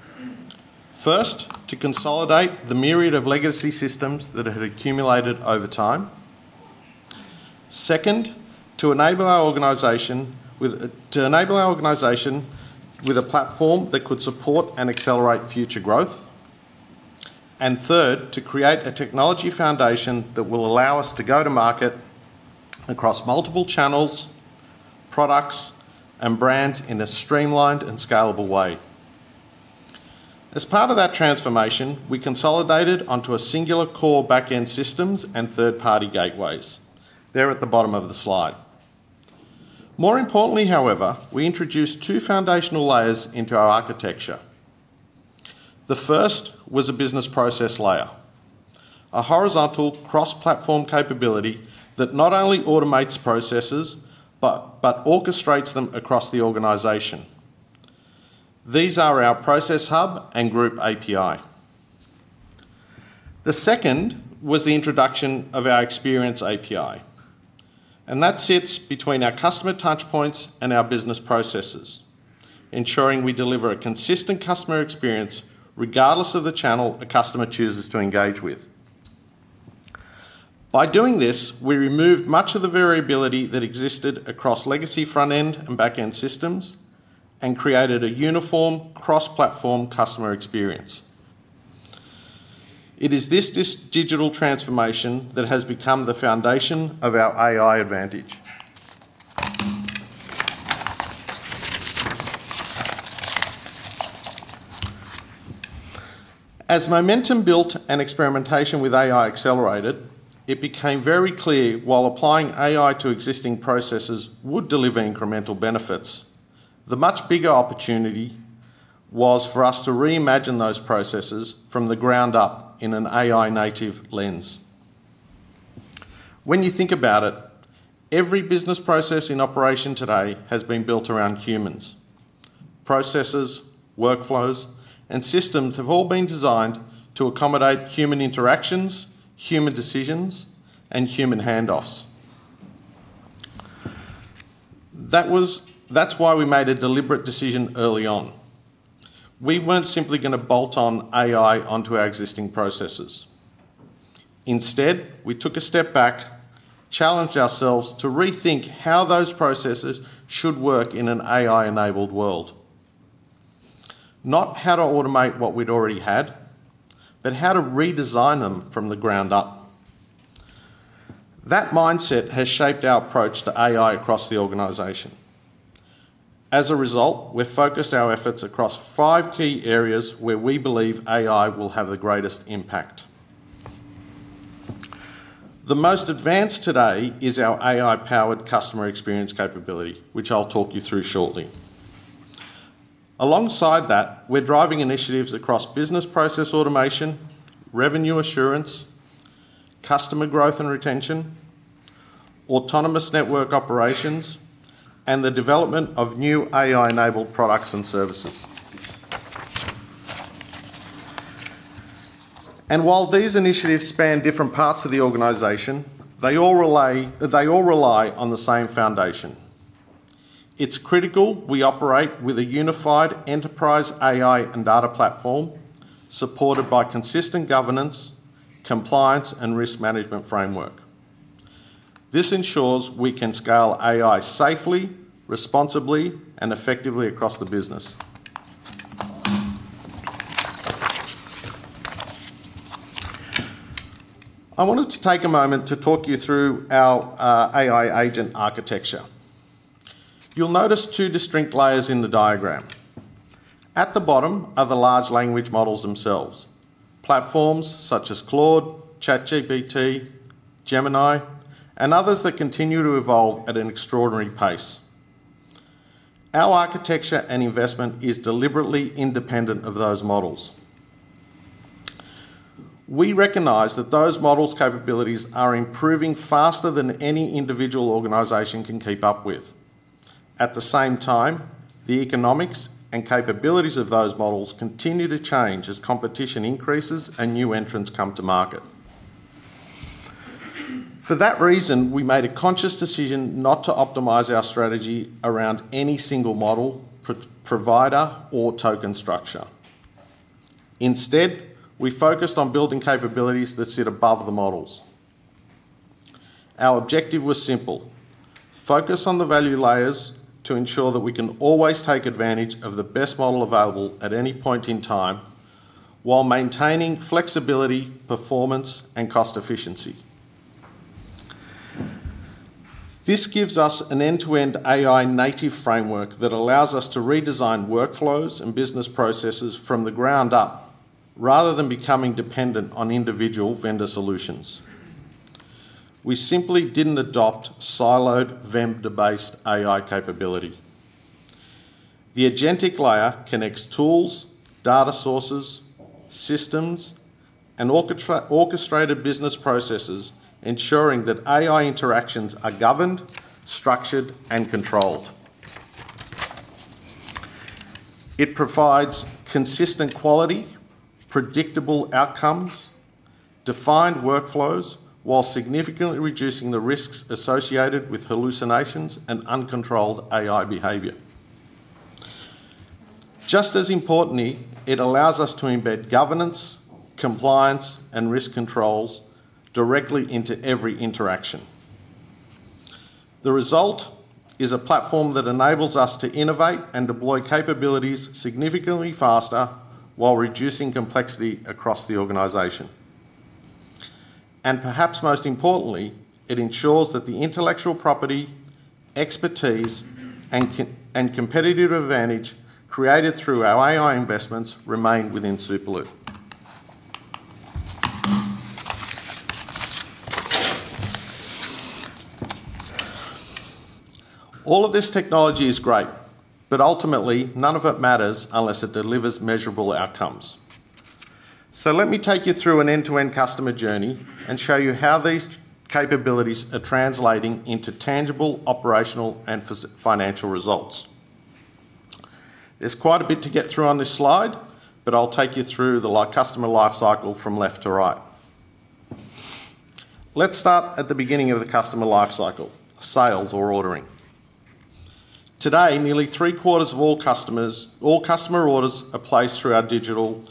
First, to consolidate the myriad of legacy systems that have accumulated over time. Second, to enable our organization with a platform that could support and accelerate future growth. Third, to create a technology foundation that will allow us to go to market across multiple channels, products, and brands in a streamlined and scalable way. As part of that transformation, we consolidated onto singular core backend systems and third-party gateways. They're at the bottom of the slide. More importantly, however, we introduced two foundational layers into our architecture. The first was a business process layer, a horizontal cross-platform capability that not only automates processes, but orchestrates them across the organization. These are our process hub and group API. The second was the introduction of our experience API. That sits between our customer touchpoints and our business processes, ensuring we deliver a consistent customer experience regardless of the channel a customer chooses to engage with. By doing this, we removed much of the variability that existed across legacy front-end and backend systems and created a uniform cross-platform customer experience. It is this digital transformation that has become the foundation of our AI advantage. As momentum built and experimentation with AI accelerated, it became very clear while applying AI to existing processes would deliver incremental benefits, the much bigger opportunity was for us to reimagine those processes from the ground up in an AI native lens. When you think about it, every business process in operation today has been built around humans. Processes, workflows, and systems have all been designed to accommodate human interactions, human decisions, and human handoffs. That's why we made a deliberate decision early on. We weren't simply going to bolt on AI onto our existing processes. Instead, we took a step back, challenged ourselves to rethink how those processes should work in an AI-enabled world. Not how to automate what we'd already had, but how to redesign them from the ground up. That mindset has shaped our approach to AI across the organization. As a result, we've focused our efforts across five key areas where we believe AI will have the greatest impact. The most advanced today is our AI-powered customer experience capability, which I'll talk you through shortly. Alongside that, we're driving initiatives across business process automation, revenue assurance, customer growth and retention, autonomous network operations, and the development of new AI-enabled products and services. While these initiatives span different parts of the organization, they all rely on the same foundation. It's critical we operate with a unified enterprise AI and data platform supported by consistent governance, compliance, and risk management framework. This ensures we can scale AI safely, responsibly, and effectively across the business. I wanted to take a moment to talk you through our AI agent architecture. You'll notice two distinct layers in the diagram. At the bottom are the large language models themselves. Platforms such as Claude, ChatGPT, Gemini, and others that continue to evolve at an extraordinary pace. Our architecture and investment is deliberately independent of those models. We recognize that those models' capabilities are improving faster than any individual organization can keep up with. At the same time, the economics and capabilities of those models continue to change as competition increases and new entrants come to market. For that reason, we made a conscious decision not to optimize our strategy around any single model, provider, or token structure. Instead, we focused on building capabilities that sit above the models. Our objective was simple, focus on the value layers to ensure that we can always take advantage of the best model available at any point in time while maintaining flexibility, performance, and cost efficiency. This gives us an end-to-end AI native framework that allows us to redesign workflows and business processes from the ground up rather than becoming dependent on individual vendor solutions. We simply didn't adopt siloed vendor-based AI capability. The agentic layer connects tools, data sources, systems, and orchestrated business processes ensuring that AI interactions are governed, structured, and controlled. It provides consistent quality, predictable outcomes define workflows while significantly reducing the risks associated with hallucinations and uncontrolled AI behavior. Just as importantly, it allows us to embed governance, compliance, and risk controls directly into every interaction. The result is a platform that enables us to innovate and deploy capabilities significantly faster while reducing complexity across the organization. Perhaps most importantly, it ensures that the intellectual property, expertise, and competitive advantage created through our AI investments remain within Superloop. All of this technology is great, but ultimately none of it matters unless it delivers measurable outcomes. Let me take you through an end-to-end customer journey and show you how these capabilities are translating into tangible, operational, and financial results. There's quite a bit to get through on this slide, but I'll take you through the customer life cycle from left to right. Let's start at the beginning of the customer life cycle, sales or ordering. Today, nearly three-quarters of all customer orders are placed through our digital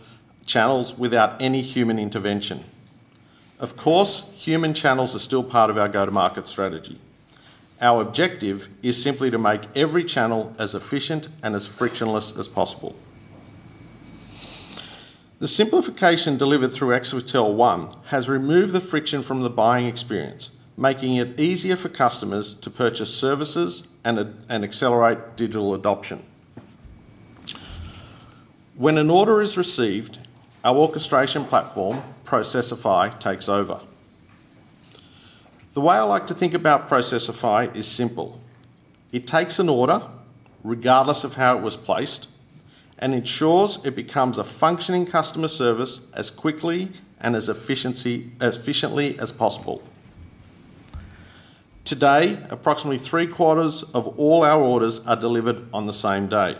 channels without any human intervention. Of course, human channels are still part of our go-to-market strategy. Our objective is simply to make every channel as efficient and as frictionless as possible. The simplification delivered through Exetel One has removed the friction from the buying experience, making it easier for customers to purchase services and accelerate digital adoption. When an order is received, our orchestration platform, Processify, takes over. The way I like to think about Processify is simple. It takes an order, regardless of how it was placed, and ensures it becomes a functioning customer service as quickly and as efficiently as possible. Today, approximately three-quarters of all our orders are delivered on the same day.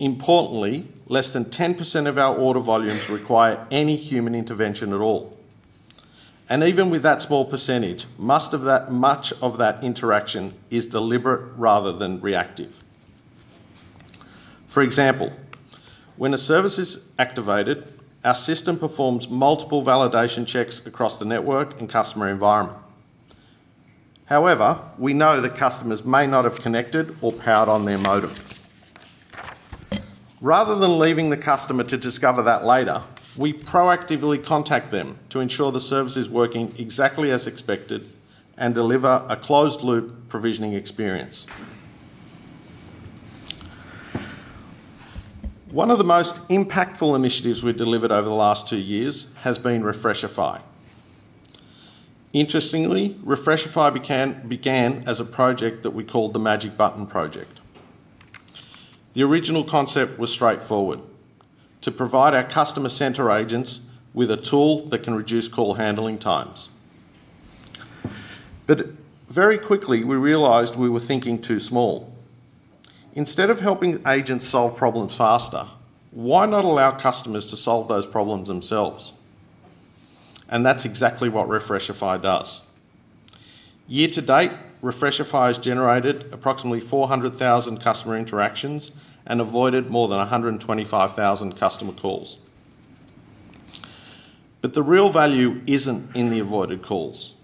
Importantly, less than 10% of our order volumes require any human intervention at all. Even with that small percentage, much of that interaction is deliberate rather than reactive. For example, when a service is activated, our system performs multiple validation checks across the network and customer environment. However, we know that customers may not have connected or powered on their modem. Rather than leaving the customer to discover that later, we proactively contact them to ensure the service is working exactly as expected and deliver a closed-loop provisioning experience. One of the most impactful initiatives we've delivered over the last two years has been Refreshify. Interestingly, Refreshify began as a project that we called the Magic Button Project. The original concept was straightforward, to provide our customer center agents with a tool that can reduce call handling times. Very quickly, we realized we were thinking too small. Instead of helping agents solve problems faster, why not allow customers to solve those problems themselves? That's exactly what Refreshify does. Year to date, Refreshify has generated approximately 400,000 customer interactions and avoided more than 125,000 customer calls. The real value isn't in the avoided calls.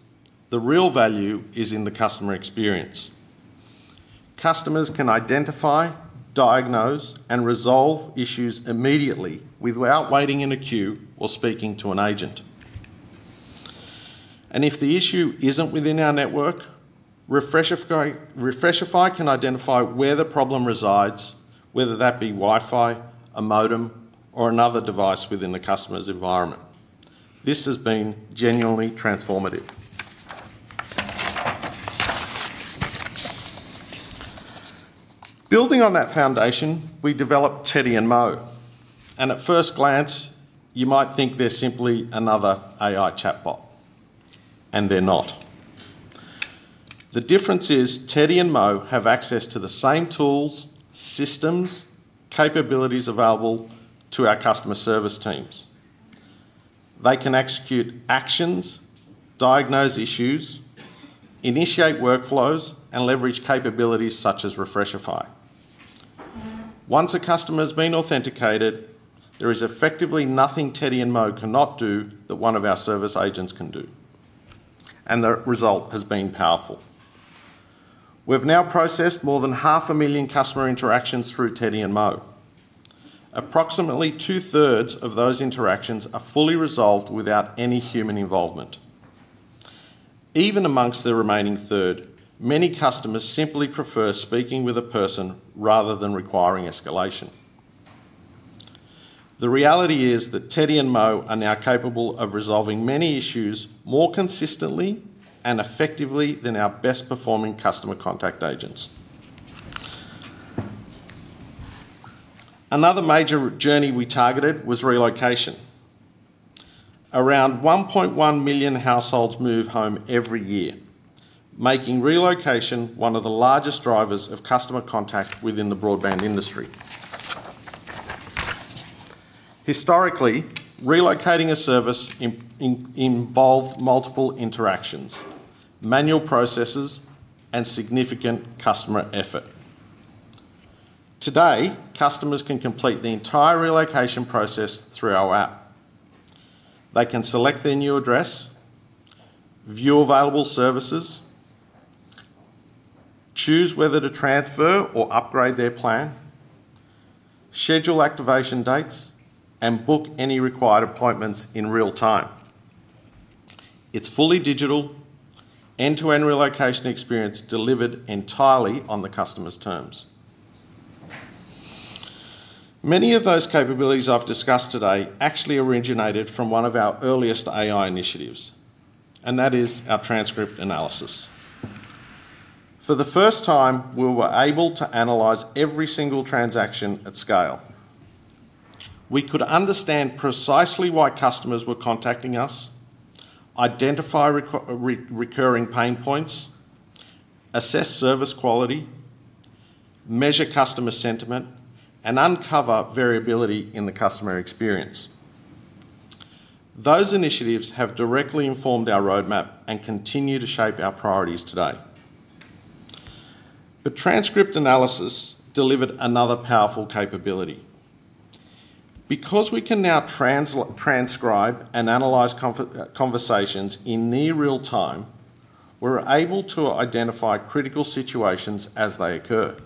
The real value is in the customer experience. Customers can identify, diagnose, and resolve issues immediately without waiting in a queue or speaking to an agent. If the issue isn't within our network, Refreshify can identify where the problem resides, whether that be Wi-Fi, a modem, or another device within the customer's environment. This has been genuinely transformative. Building on that foundation, we developed Teddy and Mo. At first glance, you might think they're simply another AI chatbot. They're not. The difference is Teddy and Mo have access to the same tools, systems, capabilities available to our customer service teams. They can execute actions, diagnose issues, initiate workflows, and leverage capabilities such as Refreshify. Once a customer's been authenticated, there is effectively nothing Teddy and Mo cannot do that one of our service agents can do. The result has been powerful. We've now processed more than half a million customer interactions through Teddy and Mo. Approximately two-thirds of those interactions are fully resolved without any human involvement. Even amongst the remaining third, many customers simply prefer speaking with a person rather than requiring escalation. The reality is that Teddy and Mo are now capable of resolving many issues more consistently and effectively than our best-performing customer contact agents. Another major journey we targeted was relocation. Around 1.1 million households move home every year. Making relocation one of the largest drivers of customer contact within the broadband industry. Historically, relocating a service involved multiple interactions, manual processes, and significant customer effort. Today, customers can complete the entire relocation process through our app. They can select their new address, view available services, choose whether to transfer or upgrade their plan, schedule activation dates, and book any required appointments in real time. It's a fully digital, end-to-end relocation experience delivered entirely on the customer's terms. Many of those capabilities I've discussed today actually originated from one of our earliest AI initiatives, and that is our transcript analysis. For the first time, we were able to analyze every single transaction at scale. We could understand precisely why customers were contacting us, identify recurring pain points, assess service quality, measure customer sentiment, and uncover variability in the customer experience. Those initiatives have directly informed our roadmap and continue to shape our priorities today. The transcript analysis delivered another powerful capability. Because we can now transcribe and analyze conversations in near real time, we're able to identify critical situations as they occur.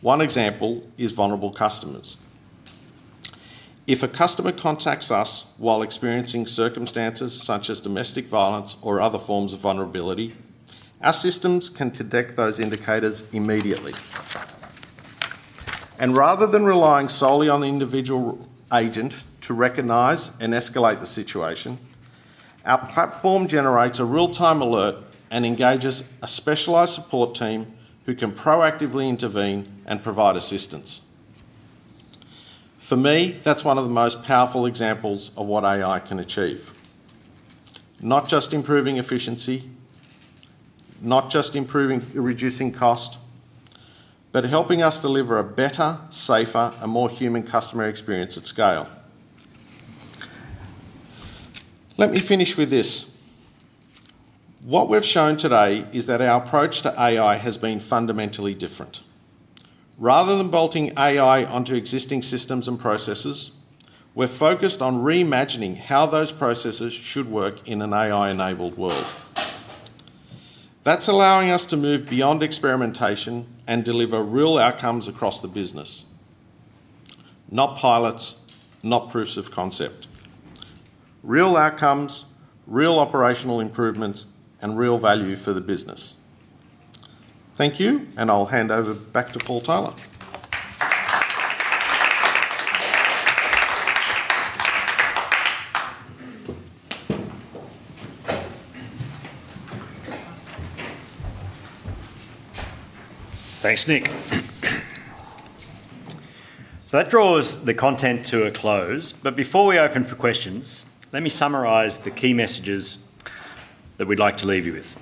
One example is vulnerable customers. If a customer contacts us while experiencing circumstances such as domestic violence or other forms of vulnerability, our systems can detect those indicators immediately. Rather than relying solely on the individual agent to recognize and escalate the situation, our platform generates a real-time alert and engages a specialized support team who can proactively intervene and provide assistance. For me, that's one of the most powerful examples of what AI can achieve. Not just improving efficiency, not just reducing cost, but helping us deliver a better, safer, and more human customer experience at scale. Let me finish with this. What we've shown today is that our approach to AI has been fundamentally different. Rather than bolting AI onto existing systems and processes, we're focused on reimagining how those processes should work in an AI-enabled world. That's allowing us to move beyond experimentation and deliver real outcomes across the business. Not pilots, not proofs of concept. Real outcomes, real operational improvements, and real value for the business. Thank you, and I'll hand over back to Paul Tyler. Thanks, Nick. That draws the content to a close. Before we open for questions, let me summarize the key messages that we'd like to leave you with.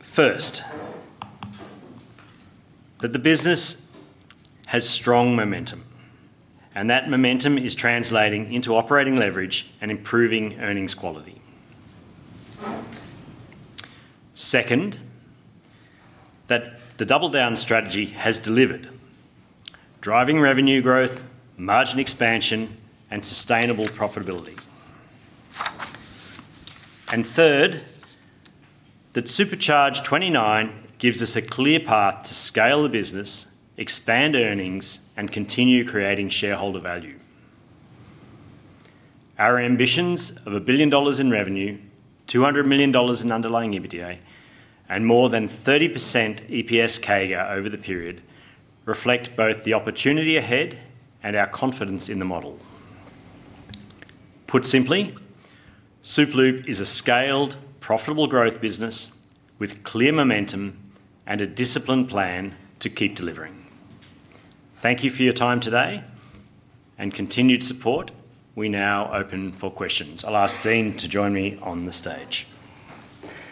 First, that the business has strong momentum, and that momentum is translating into operating leverage and improving earnings quality. Second, that the Double Down strategy has delivered, driving revenue growth, margin expansion, and sustainable profitability. Third, that SUPERCHARGE 2029 gives us a clear path to scale the business, expand earnings, and continue creating shareholder value. Our ambitions of 1 billion dollars in revenue, 200 million dollars in underlying EBITDA, and more than 30% EPS CAGR over the period reflect both the opportunity ahead and our confidence in the model. Put simply, Superloop is a scaled, profitable growth business with clear momentum and a disciplined plan to keep delivering. Thank you for your time today and continued support. We now open for questions. I'll ask Dean to join me on the stage. Is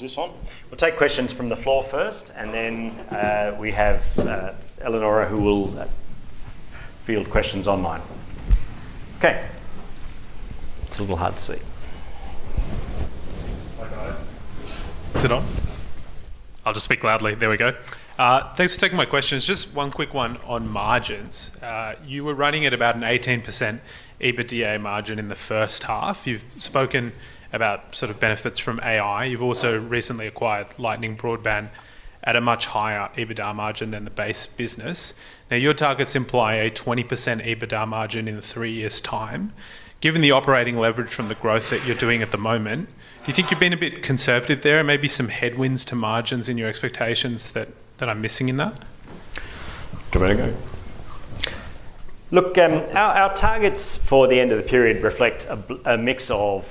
this on? We'll take questions from the floor first, and then we have Eleonora, who will field questions online. Okay. It's a little hard to see. Hi, guys. Is it on? I'll just speak loudly. There we go. Thanks for taking my questions. Just one quick one on margins. You were running at about an 18% EBITDA margin in the first half. You've spoken about benefits from AI. You've also recently acquired Lightning Broadband at a much higher EBITDA margin than the base business. Your targets imply a 20% EBITDA margin in the three years' time. Given the operating leverage from the growth that you're doing at the moment, do you think you've been a bit conservative there? Maybe some headwinds to margins in your expectations that I'm missing in that? Do you want me to go? Look, our targets for the end of the period reflect a mix of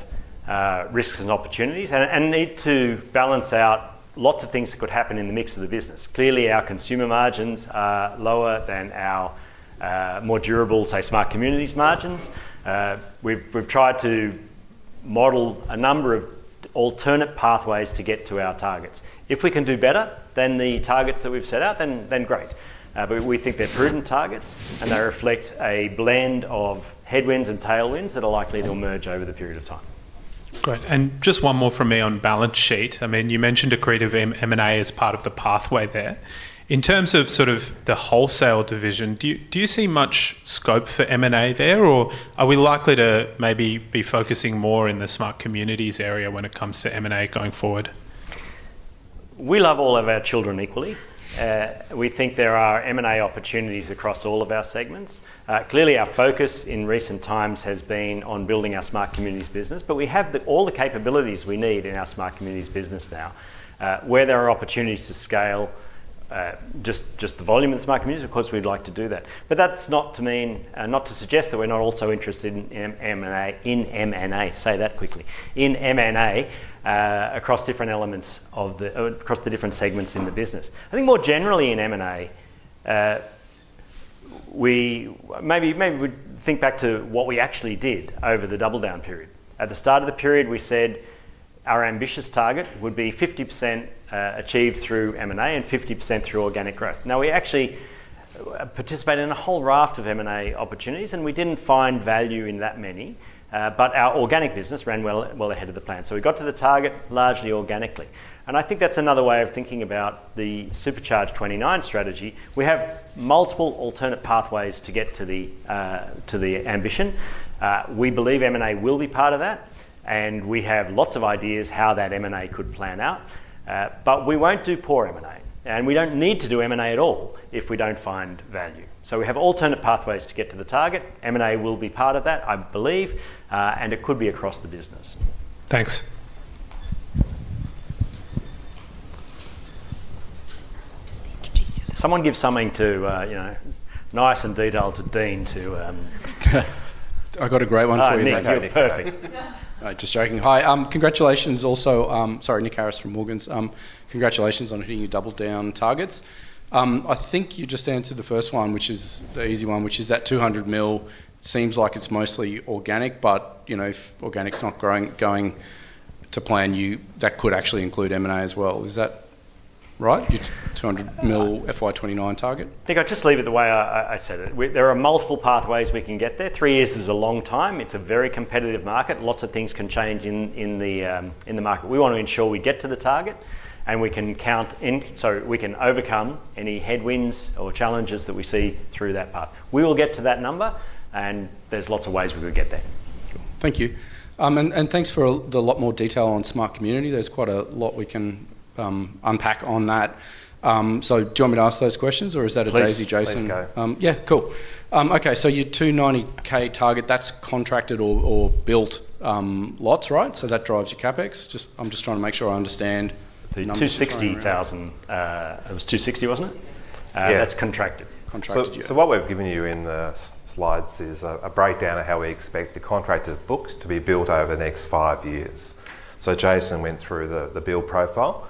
risks and opportunities and need to balance out lots of things that could happen in the mix of the business. Clearly, our consumer margins are lower than our more durable, say, Smart Communities margins. We've tried to model a number of alternate pathways to get to our targets. If we can do better than the targets that we've set out, then great. We think they're prudent targets and they reflect a blend of headwinds and tailwinds that are likely to emerge over the period of time. Great. Just one more from me on balance sheet. You mentioned accretive M&A as part of the pathway there. In terms of the wholesale division, do you see much scope for M&A there or are we likely to maybe be focusing more in the Smart Communities area when it comes to M&A going forward? We love all of our children equally. We think there are M&A opportunities across all of our segments. Clearly, our focus in recent times has been on building our Smart Communities business. We have all the capabilities we need in our Smart Communities business now. Where there are opportunities to scale just the volume in Smart Communities, of course, we'd like to do that. That's not to suggest that we're not also interested in M&A, say that quickly, in M&A across the different segments in the business. I think more generally in M&A, maybe we'd think back to what we actually did over the Double Down period. At the start of the period, we said our ambitious target would be 50% achieved through M&A and 50% through organic growth. We actually participated in a whole raft of M&A opportunities, and we didn't find value in that many. Our organic business ran well ahead of the plan. We got to the target largely organically. I think that's another way of thinking about the SUPERCHARGE 2029 strategy. We have multiple alternate pathways to get to the ambition. We believe M&A will be part of that, and we have lots of ideas how that M&A could plan out. We won't do poor M&A, and we don't need to do M&A at all if we don't find value. We have alternate pathways to get to the target. M&A will be part of that, I believe, and it could be across the business. Thanks. Someone give something nice and detailed to Dean to. I've got a great one for you, thank you. Oh, Nick, you're perfect. Just joking. Hi. Congratulations also. Sorry, Nick Harris from Morgans. Congratulations on hitting your Double Down targets. I think you just answered the first one, which is the easy one, which is that 200 million seems like it's mostly organic. If organic's not going to plan, that could actually include M&A as well. Is that right? Your 200 million FY 2029 target? Nick, I'll just leave it the way I said it. There are multiple pathways we can get there. Three years is a long time. It's a very competitive market. Lots of things can change in the market. We want to ensure we get to the target. We can overcome any headwinds or challenges that we see through that path. We will get to that number, and there's lots of ways we could get there. Cool. Thank you. Thanks for the lot more detail on Smart Community. There's quite a lot we can unpack on that. Do you want me to ask those questions or is that a Daisey? Please. Jason- Please go. Yeah. Cool. Okay, your 290,000 target, that's contracted or built lots, right? That drives your CapEx. I'm just trying to make sure I understand the numbers you're throwing around. 260,000. It was 260,000, wasn't it? Yeah. That's contracted. Contracted, yeah. What we've given you in the slides is a breakdown of how we expect the contracted books to be built over the next five years. Jason went through the bill profile.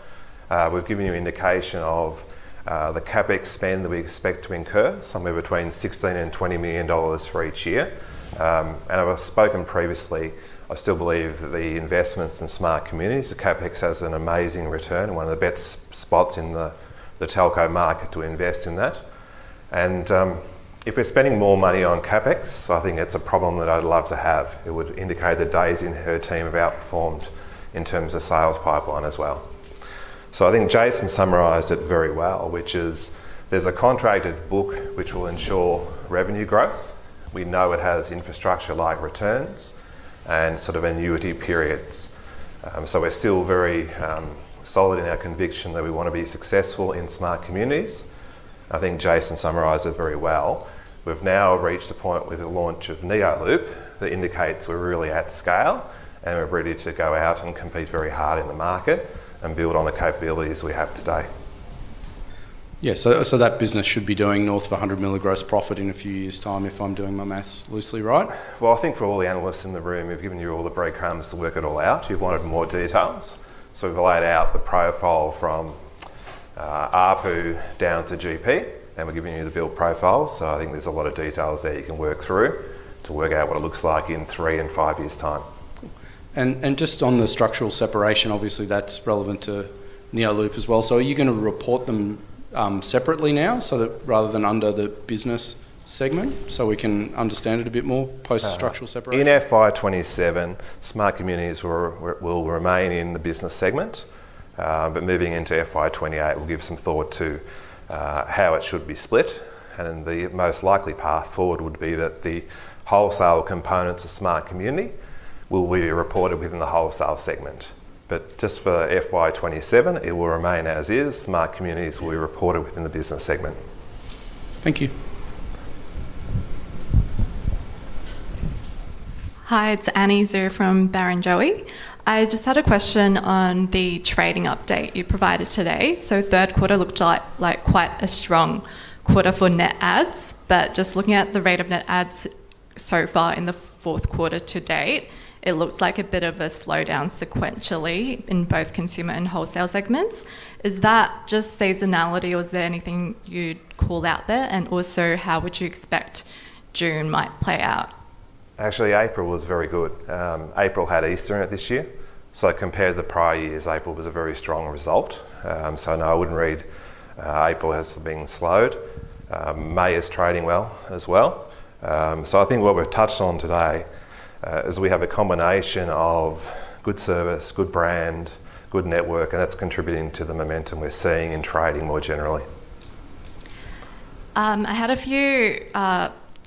We've given you indication of the CapEx spend that we expect to incur, somewhere between 16 million and 20 million dollars for each year. I've spoken previously, I still believe the investments in Smart Communities, the CapEx has an amazing return. One of the best spots in the telco market to invest in that. If we're spending more money on CapEx, I think it's a problem that I'd love to have. It would indicate that Daisey and her team have outperformed in terms of sales pipeline as well. I think Jason summarized it very well, which is there's a contracted book which will ensure revenue growth. We know it has infrastructure-like returns and sort of annuity periods. We're still very solid in our conviction that we want to be successful in Smart Communities. I think Jason summarized it very well. We've now reached a point with the launch of neoloop that indicates we're really at scale, and we're ready to go out and compete very hard in the market and build on the capabilities we have today. Yeah. That business should be doing north of 100 million of gross profit in a few years' time if I'm doing my math loosely right? Well, I think for all the analysts in the room, we've given you all the breadcrumbs to work it all out. You've wanted more details. We've laid out the profile from ARPU down to GP, and we've given you the build profile. I think there's a lot of details there you can work through to work out what it looks like in three and five years' time. Just on the structural separation, obviously that's relevant to neoloop as well. Are you going to report them separately now, so that rather than under the business segment, so we can understand it a bit more post structural separation? In FY 2027, Smart Communities will remain in the Business segment. Moving into FY 2028, we'll give some thought to how it should be split. The most likely path forward would be that the wholesale components of Smart Communities will be reported within the Wholesale segment. Just for FY 2027, it will remain as is. Smart Communities will be reported within the Business segment. Thank you. Hi, it's Annie Zhu from Barrenjoey. I just had a question on the trading update you provided today. Third quarter looked like quite a strong quarter for net adds. Just looking at the rate of net adds so far in the fourth quarter to date, it looks like a bit of a slowdown sequentially in both consumer and wholesale segments. Is that just seasonality or is there anything you'd call out there? How would you expect June might play out? Actually, April was very good. April had Easter in it this year. Compared to the prior years, April was a very strong result. No, I wouldn't read April as being slowed. May is trading well as well. I think what we've touched on today is we have a combination of good service, good brand, good network, and that's contributing to the momentum we're seeing in trading more generally. I had a few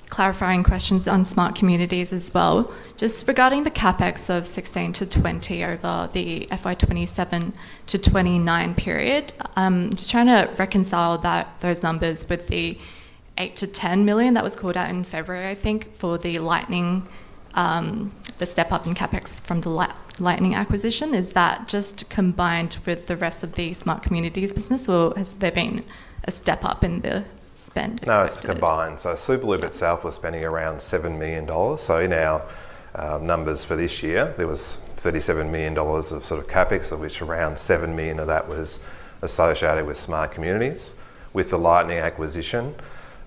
clarifying questions on Smart Communities as well. Just regarding the CapEx of 16 million-20 million over the FY 2027 to FY 2029 period, just trying to reconcile those numbers with the 8 million-10 million that was called out in February, I think, for the Lightning, the step-up in CapEx from the Lightning acquisition. Is that just combined with the rest of the Smart Communities business, or has there been a step-up in the spend expected? No, it's combined. Yeah. ...itself was spending around 7 million dollars. In our numbers for this year, there was 37 million dollars of sort of CapEx, of which around 7 million of that was associated with Smart Communities. With the Lightning acquisition,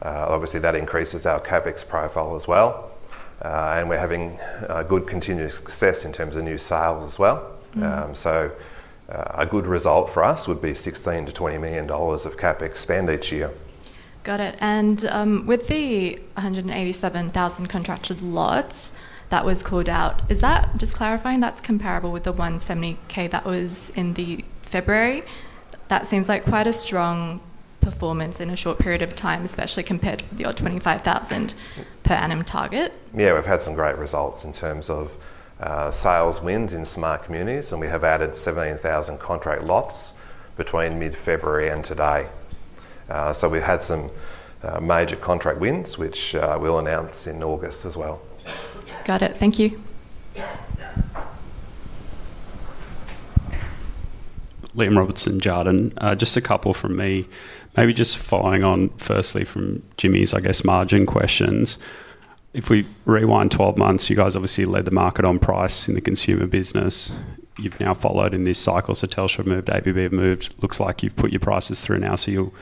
obviously that increases our CapEx profile as well. We're having good continuous success in terms of new sales as well. A good result for us would be 16 million-20 million dollars of CapEx spend each year. Got it. With the 187,000 contracted lots that was called out, just clarifying, that's comparable with the 170,000 that was in the February? That seems like quite a strong performance in a short period of time, especially compared with your 25,000 per annum target. Yeah, we've had some great results in terms of sales wins in Smart Communities, and we have added 17,000 contract lots between mid-February and today. We've had some major contract wins, which we'll announce in August as well. Got it. Thank you. Liam Robertson, Jarden. Just a couple from me. Maybe just following on, firstly from Jimmy's, I guess, margin questions. If we rewind 12 months, you guys obviously led the market on price in the consumer business. You've now followed in this cycle, so Telstra have moved, TPG have moved. Looks like you've put your prices through now, so you'll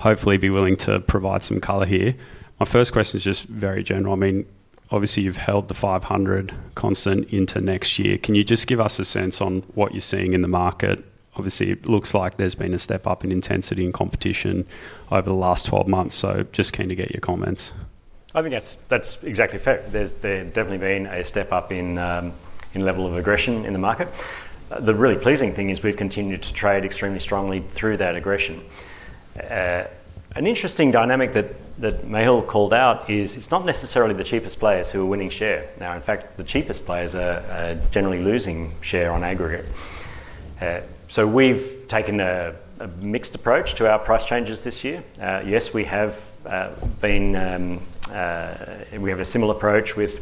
hopefully be willing to provide some color here. My first question is just very general. Obviously you've held the 500 constant into next year. Can you just give us a sense on what you're seeing in the market? Obviously, it looks like there's been a step up in intensity and competition over the last 12 months, so just keen to get your comments. I think that's exactly a fact. There's definitely been a step up in level of aggression in the market. The really pleasing thing is we've continued to trade extremely strongly through that aggression. An interesting dynamic that Mehul called out is it's not necessarily the cheapest players who are winning share. In fact, the cheapest players are generally losing share on aggregate. We've taken a mixed approach to our price changes this year. Yes, we have a similar approach with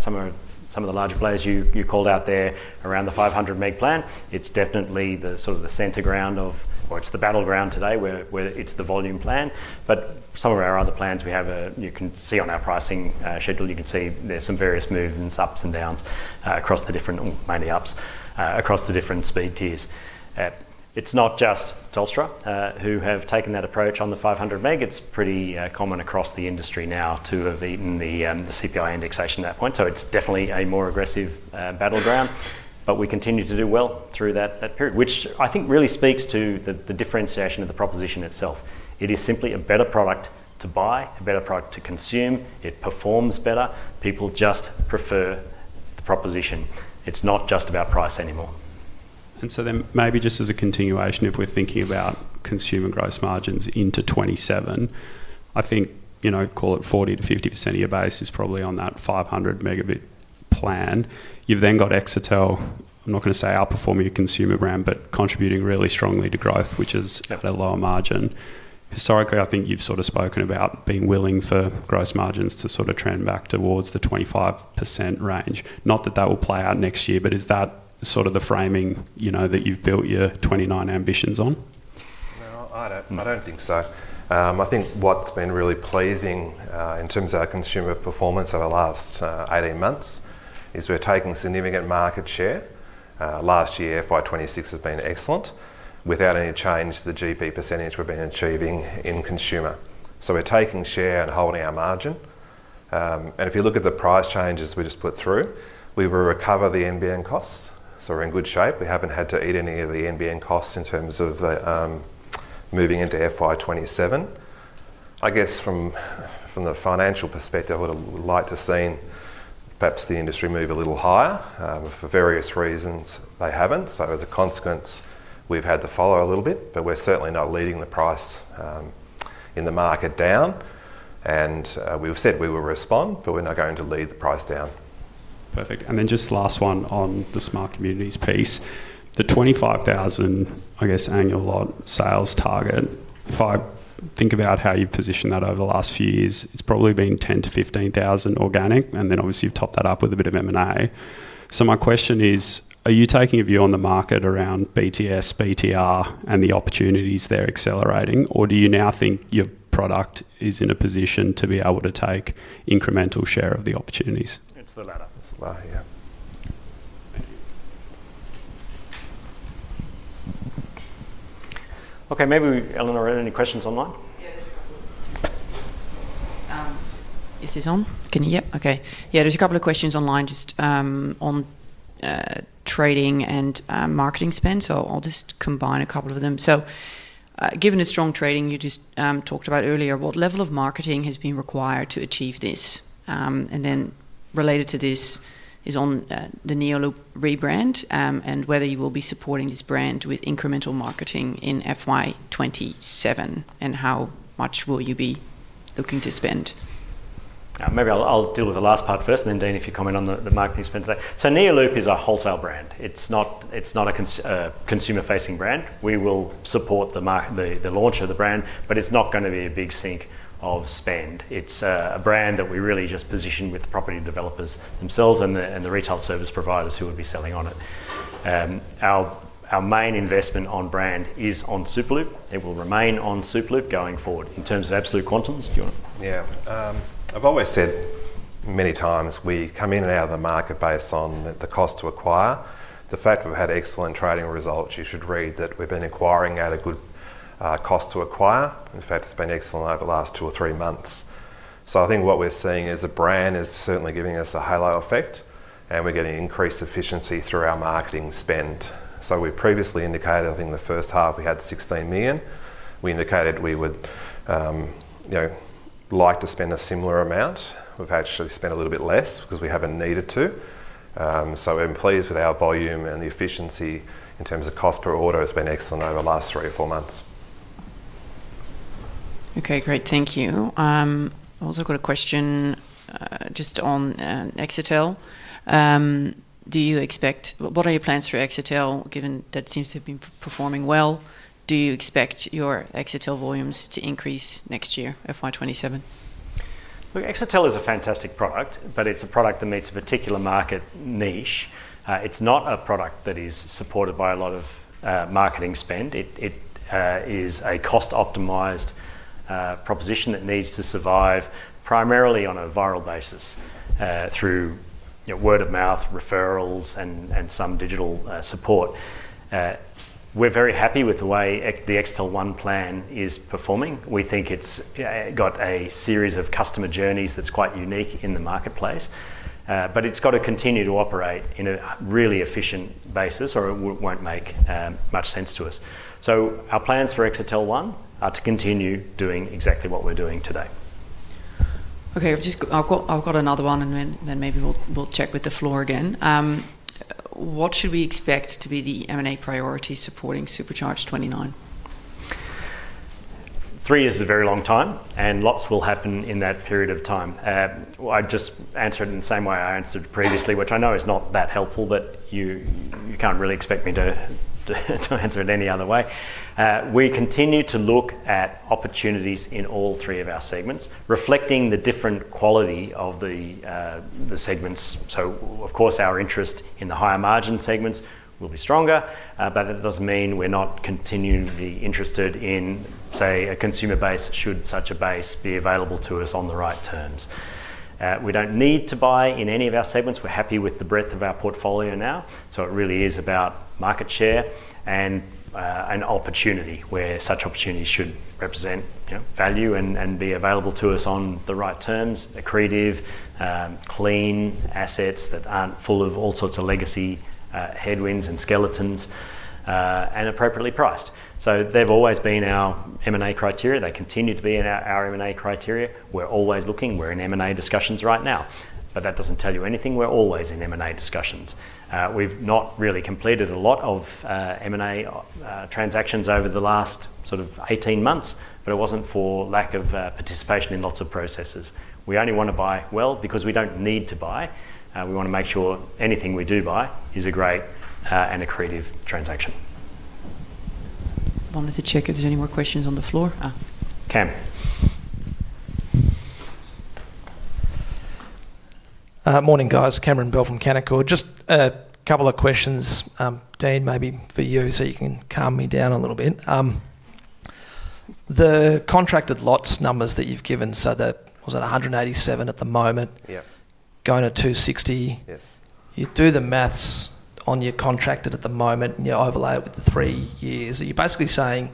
some of the larger players you called out there around the 500 Mb plan. It's definitely the sort of the center ground of or it's the battleground today, where it's the volume plan. Some of our other plans, you can see on our pricing schedule, you can see there's some various movements, ups and downs across the different, mainly ups, across the different speed tiers. It's not just Telstra who have taken that approach on the 500 Mb. It's pretty common across the industry now to have eaten the CPI indexation at that point. It's definitely a more aggressive battleground. We continue to do well through that period, which I think really speaks to the differentiation of the proposition itself. It is simply a better product to buy, a better product to consume. It performs better. People just prefer the proposition. It's not just about price anymore. Maybe just as a continuation, if we're thinking about consumer gross margins into 2027, I think, call it 40%-50% of your base is probably on that 500 Mb plan. You've then got Exetel, I'm not going to say outperforming your consumer brand, but contributing really strongly to growth, which is- Yep. ...at a lower margin. Historically, I think you've sort of spoken about being willing for gross margins to sort of trend back towards the 25% range. Not that that will play out next year, but is that sort of the framing that you've built your 2029 ambitions on? No, I don't think so. I think what's been really pleasing, in terms of our consumer performance over the last 18 months, is we're taking significant market share. Last year, FY 2026 has been excellent. Without any change to the GP percentage we've been achieving in consumer. We're taking share and holding our margin. If you look at the price changes we just put through, we will recover the NBN costs, so we're in good shape. We haven't had to eat any of the NBN costs in terms of moving into FY 2027. I guess from the financial perspective, I would've liked to seen perhaps the industry move a little higher. For various reasons, they haven't. As a consequence, we've had to follow a little bit, but we're certainly not leading the price in the market down. We've said we will respond, but we're not going to lead the price down. Perfect. Just last one on the Smart Communities piece. The 25,000, I guess, annual lot sales target, if I think about how you've positioned that over the last few years, it's probably been 10,000-15,000 organic, and then obviously you've topped that up with a bit of M&A. My question is, are you taking a view on the market around BTS, BTR, and the opportunities there accelerating, or do you now think your product is in a position to be able to take incremental share of the opportunities? It's the latter. It's the latter, yeah. Okay. Maybe Eleonora, any questions online? Yeah, there's a couple. Is this on? Yep. Okay. Yeah, there's a couple of questions online just on trading and marketing spend. I'll just combine a couple of them. Given the strong trading you just talked about earlier, what level of marketing has been required to achieve this? Related to this is on the neoloop rebrand, and whether you will be supporting this brand with incremental marketing in FY 2027, and how much will you be looking to spend? Maybe I'll deal with the last part first and then, Dean, if you comment on the marketing spend today. neoloop is our wholesale brand. It's not a consumer-facing brand. We will support the launch of the brand, but it's not going to be a big sink of spend. It's a brand that we really just position with the property developers themselves and the retail service providers who would be selling on it. Our main investment on brand is on Superloop. It will remain on Superloop going forward. In terms of absolute quantums, do you want to? I've always said many times we come in and out of the market based on the cost to acquire. The fact that we've had excellent trading results, you should read that we've been acquiring at a good cost to acquire. In fact, it's been excellent over the last two or three months. I think what we're seeing is the brand is certainly giving us a halo effect, and we're getting increased efficiency through our marketing spend. We previously indicated, I think the first half, we had 16 million. We indicated we would like to spend a similar amount. We've actually spent a little bit less because we haven't needed to. We're pleased with our volume and the efficiency in terms of cost per order has been excellent over the last three or four months. Okay, great. Thank you. I've also got a question just on Exetel. What are your plans for Exetel given that seems to have been performing well? Do you expect your Exetel volumes to increase next year, FY 2027? Look, Exetel is a fantastic product, but it's a product that meets a particular market niche. It's not a product that is supported by a lot of marketing spend. It is a cost-optimized proposition that needs to survive primarily on a viral basis through word of mouth, referrals, and some digital support. We're very happy with the way the Exetel One plan is performing. We think it's got a series of customer journeys that's quite unique in the marketplace. It's got to continue to operate in a really efficient basis, or it won't make much sense to us. Our plans for Exetel One are to continue doing exactly what we're doing today. Okay. I've got another one, and then maybe we'll check with the floor again. What should we expect to be the M&A priority supporting SUPERCHARGE 2029? Three is a very long time, and lots will happen in that period of time. I'd just answer it in the same way I answered previously, which I know is not that helpful, but you can't really expect me to answer it any other way. We continue to look at opportunities in all three of our segments, reflecting the different quality of the segments. Of course, our interest in the higher margin segments will be stronger. That doesn't mean we're not continually interested in, say, a consumer base should such a base be available to us on the right terms. We don't need to buy in any of our segments. We're happy with the breadth of our portfolio now. It really is about market share and an opportunity where such opportunities should represent value and be available to us on the right terms. Accretive, clean assets that aren't full of all sorts of legacy headwinds and skeletons, and appropriately priced. They've always been our M&A criteria. They continue to be our M&A criteria. We're always looking. We're in M&A discussions right now. That doesn't tell you anything. We're always in M&A discussions. We've not really completed a lot of M&A transactions over the last 18 months, but it wasn't for lack of participation in lots of processes. We only want to buy well because we don't need to buy. We want to make sure anything we do buy is a great and accretive transaction. Wanted to check if there's any more questions on the floor. Cam. Morning, guys. Cameron Bell from Canaccord. Just a couple of questions, Dean, maybe for you so you can calm me down a little bit. The contracted lots numbers that you've given, that was at 187 at the moment. Yeah. Going to 260. Yes. You do the math on your contracted at the moment and you overlay it with the three years. Are you basically saying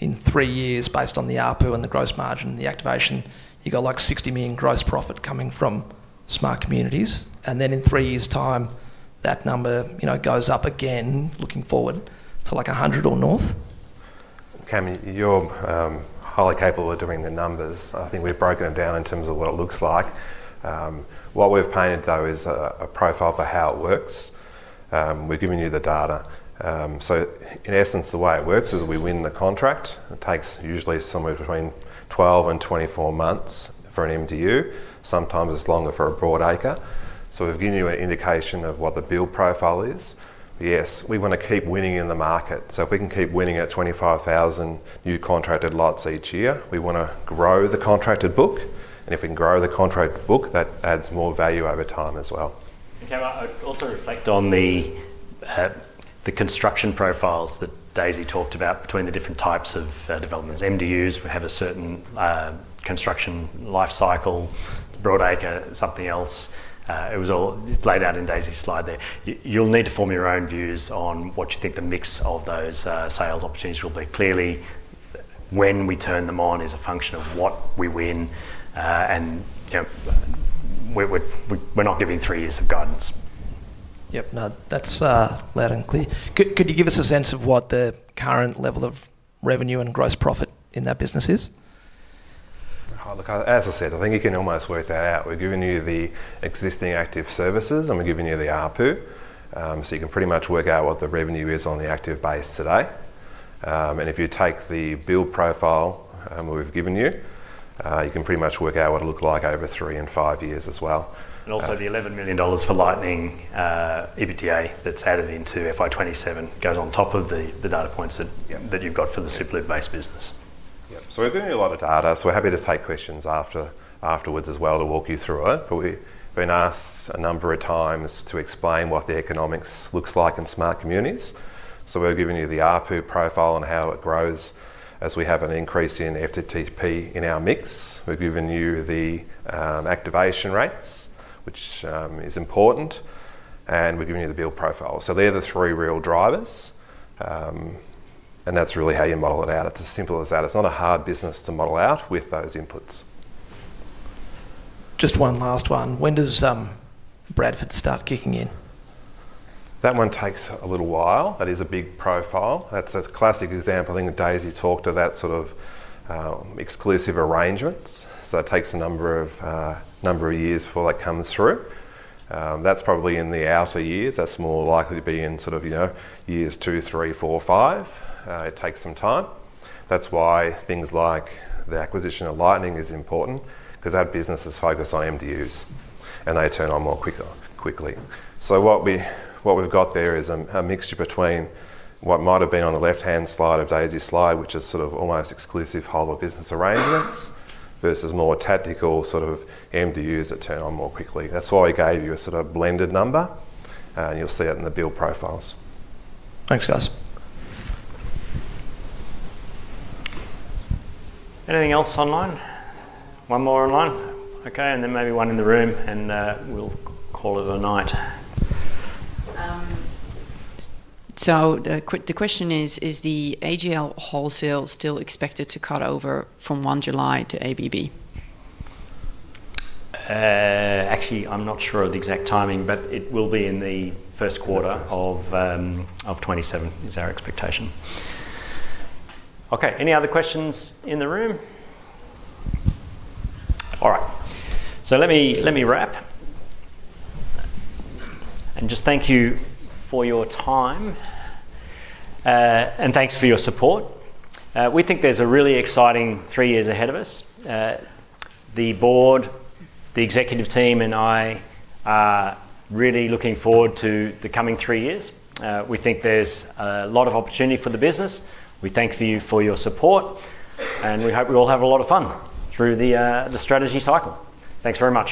in three years, based on the ARPU and the gross margin and the activation, you've got 60 million gross profit coming from Smart Communities? In three years' time, that number goes up again, looking forward to 100 million or north? Cam, you're highly capable of doing the numbers. I think we've broken them down in terms of what it looks like. What we've painted, though, is a profile for how it works. We're giving you the data. In essence, the way it works is we win the contract. It takes usually somewhere between 12 and 24 months for an MDU. Sometimes it's longer for a broadacre. We've given you an indication of what the build profile is. Yes, we want to keep winning in the market. If we can keep winning at 25,000 new contracted lots each year, we want to grow the contracted book. If we can grow the contract book, that adds more value over time as well. Cam, I'd also reflect on the construction profiles that Daisey talked about between the different types of developments. MDUs have a certain construction life cycle, broadacre something else. It's laid out in Daisey's slide there. You'll need to form your own views on what you think the mix of those sales opportunities will be. Clearly, when we turn them on is a function of what we win. We're not giving three years of guidance. Yep. No, that's loud and clear. Could you give us a sense of what the current level of revenue and gross profit in that business is? Look, as I said, I think you can almost work that out. We've given you the existing active services, and we've given you the ARPU. You can pretty much work out what the revenue is on the active base today. If you take the bill profile we've given you can pretty much work out what it'll look like over three and five years as well. Also the 11 million dollars for Lightning EBITDA that's added into FY 2027 goes on top of the data points that you've got for the Superloop Base business. Yep. We're giving you a lot of data, so we're happy to take questions afterwards as well to walk you through it. We've been asked a number of times to explain what the economics looks like in Smart Communities. We're giving you the ARPU profile and how it grows as we have an increase in FTTP in our mix. We've given you the activation rates, which is important, and we're giving you the bill profile. They're the three real drivers, and that's really how you model it out. It's as simple as that. It's not a hard business to model out with those inputs. Just one last one. When does Bradfield start kicking in? That one takes a little while. That is a big profile. That's a classic example. In Daisey talk to that sort of exclusive arrangements. It takes a number of years before that comes through. That's probably in the outer years. That's more likely to be in sort of years two, three, four, five. It takes some time. That's why things like the acquisition of Lightning is important, because that business is focused on MDUs, and they turn on more quickly. What we've got there is a mixture between what might've been on the left-hand slide of Daisey's slide, which is sort of almost exclusive whole of business arrangements versus more tactical sort of MDUs that turn on more quickly. That's why we gave you a sort of blended number, and you'll see it in the bill profiles. Thanks, guys. Anything else online? One more online. Okay, and then maybe one in the room, and we'll call it a night. The question is the AGL wholesale still expected to cut over from 1 July to ABB? Actually, I'm not sure of the exact timing, but it will be in the first quarter of 2027, is our expectation. Okay. Any other questions in the room? All right. Let me wrap. Just thank you for your time, and thanks for your support. We think there's a really exciting three years ahead of us. The board, the executive team, and I are really looking forward to the coming three years. We think there's a lot of opportunity for the business. We thank you for your support, and we hope we all have a lot of fun through the strategy cycle. Thanks very much.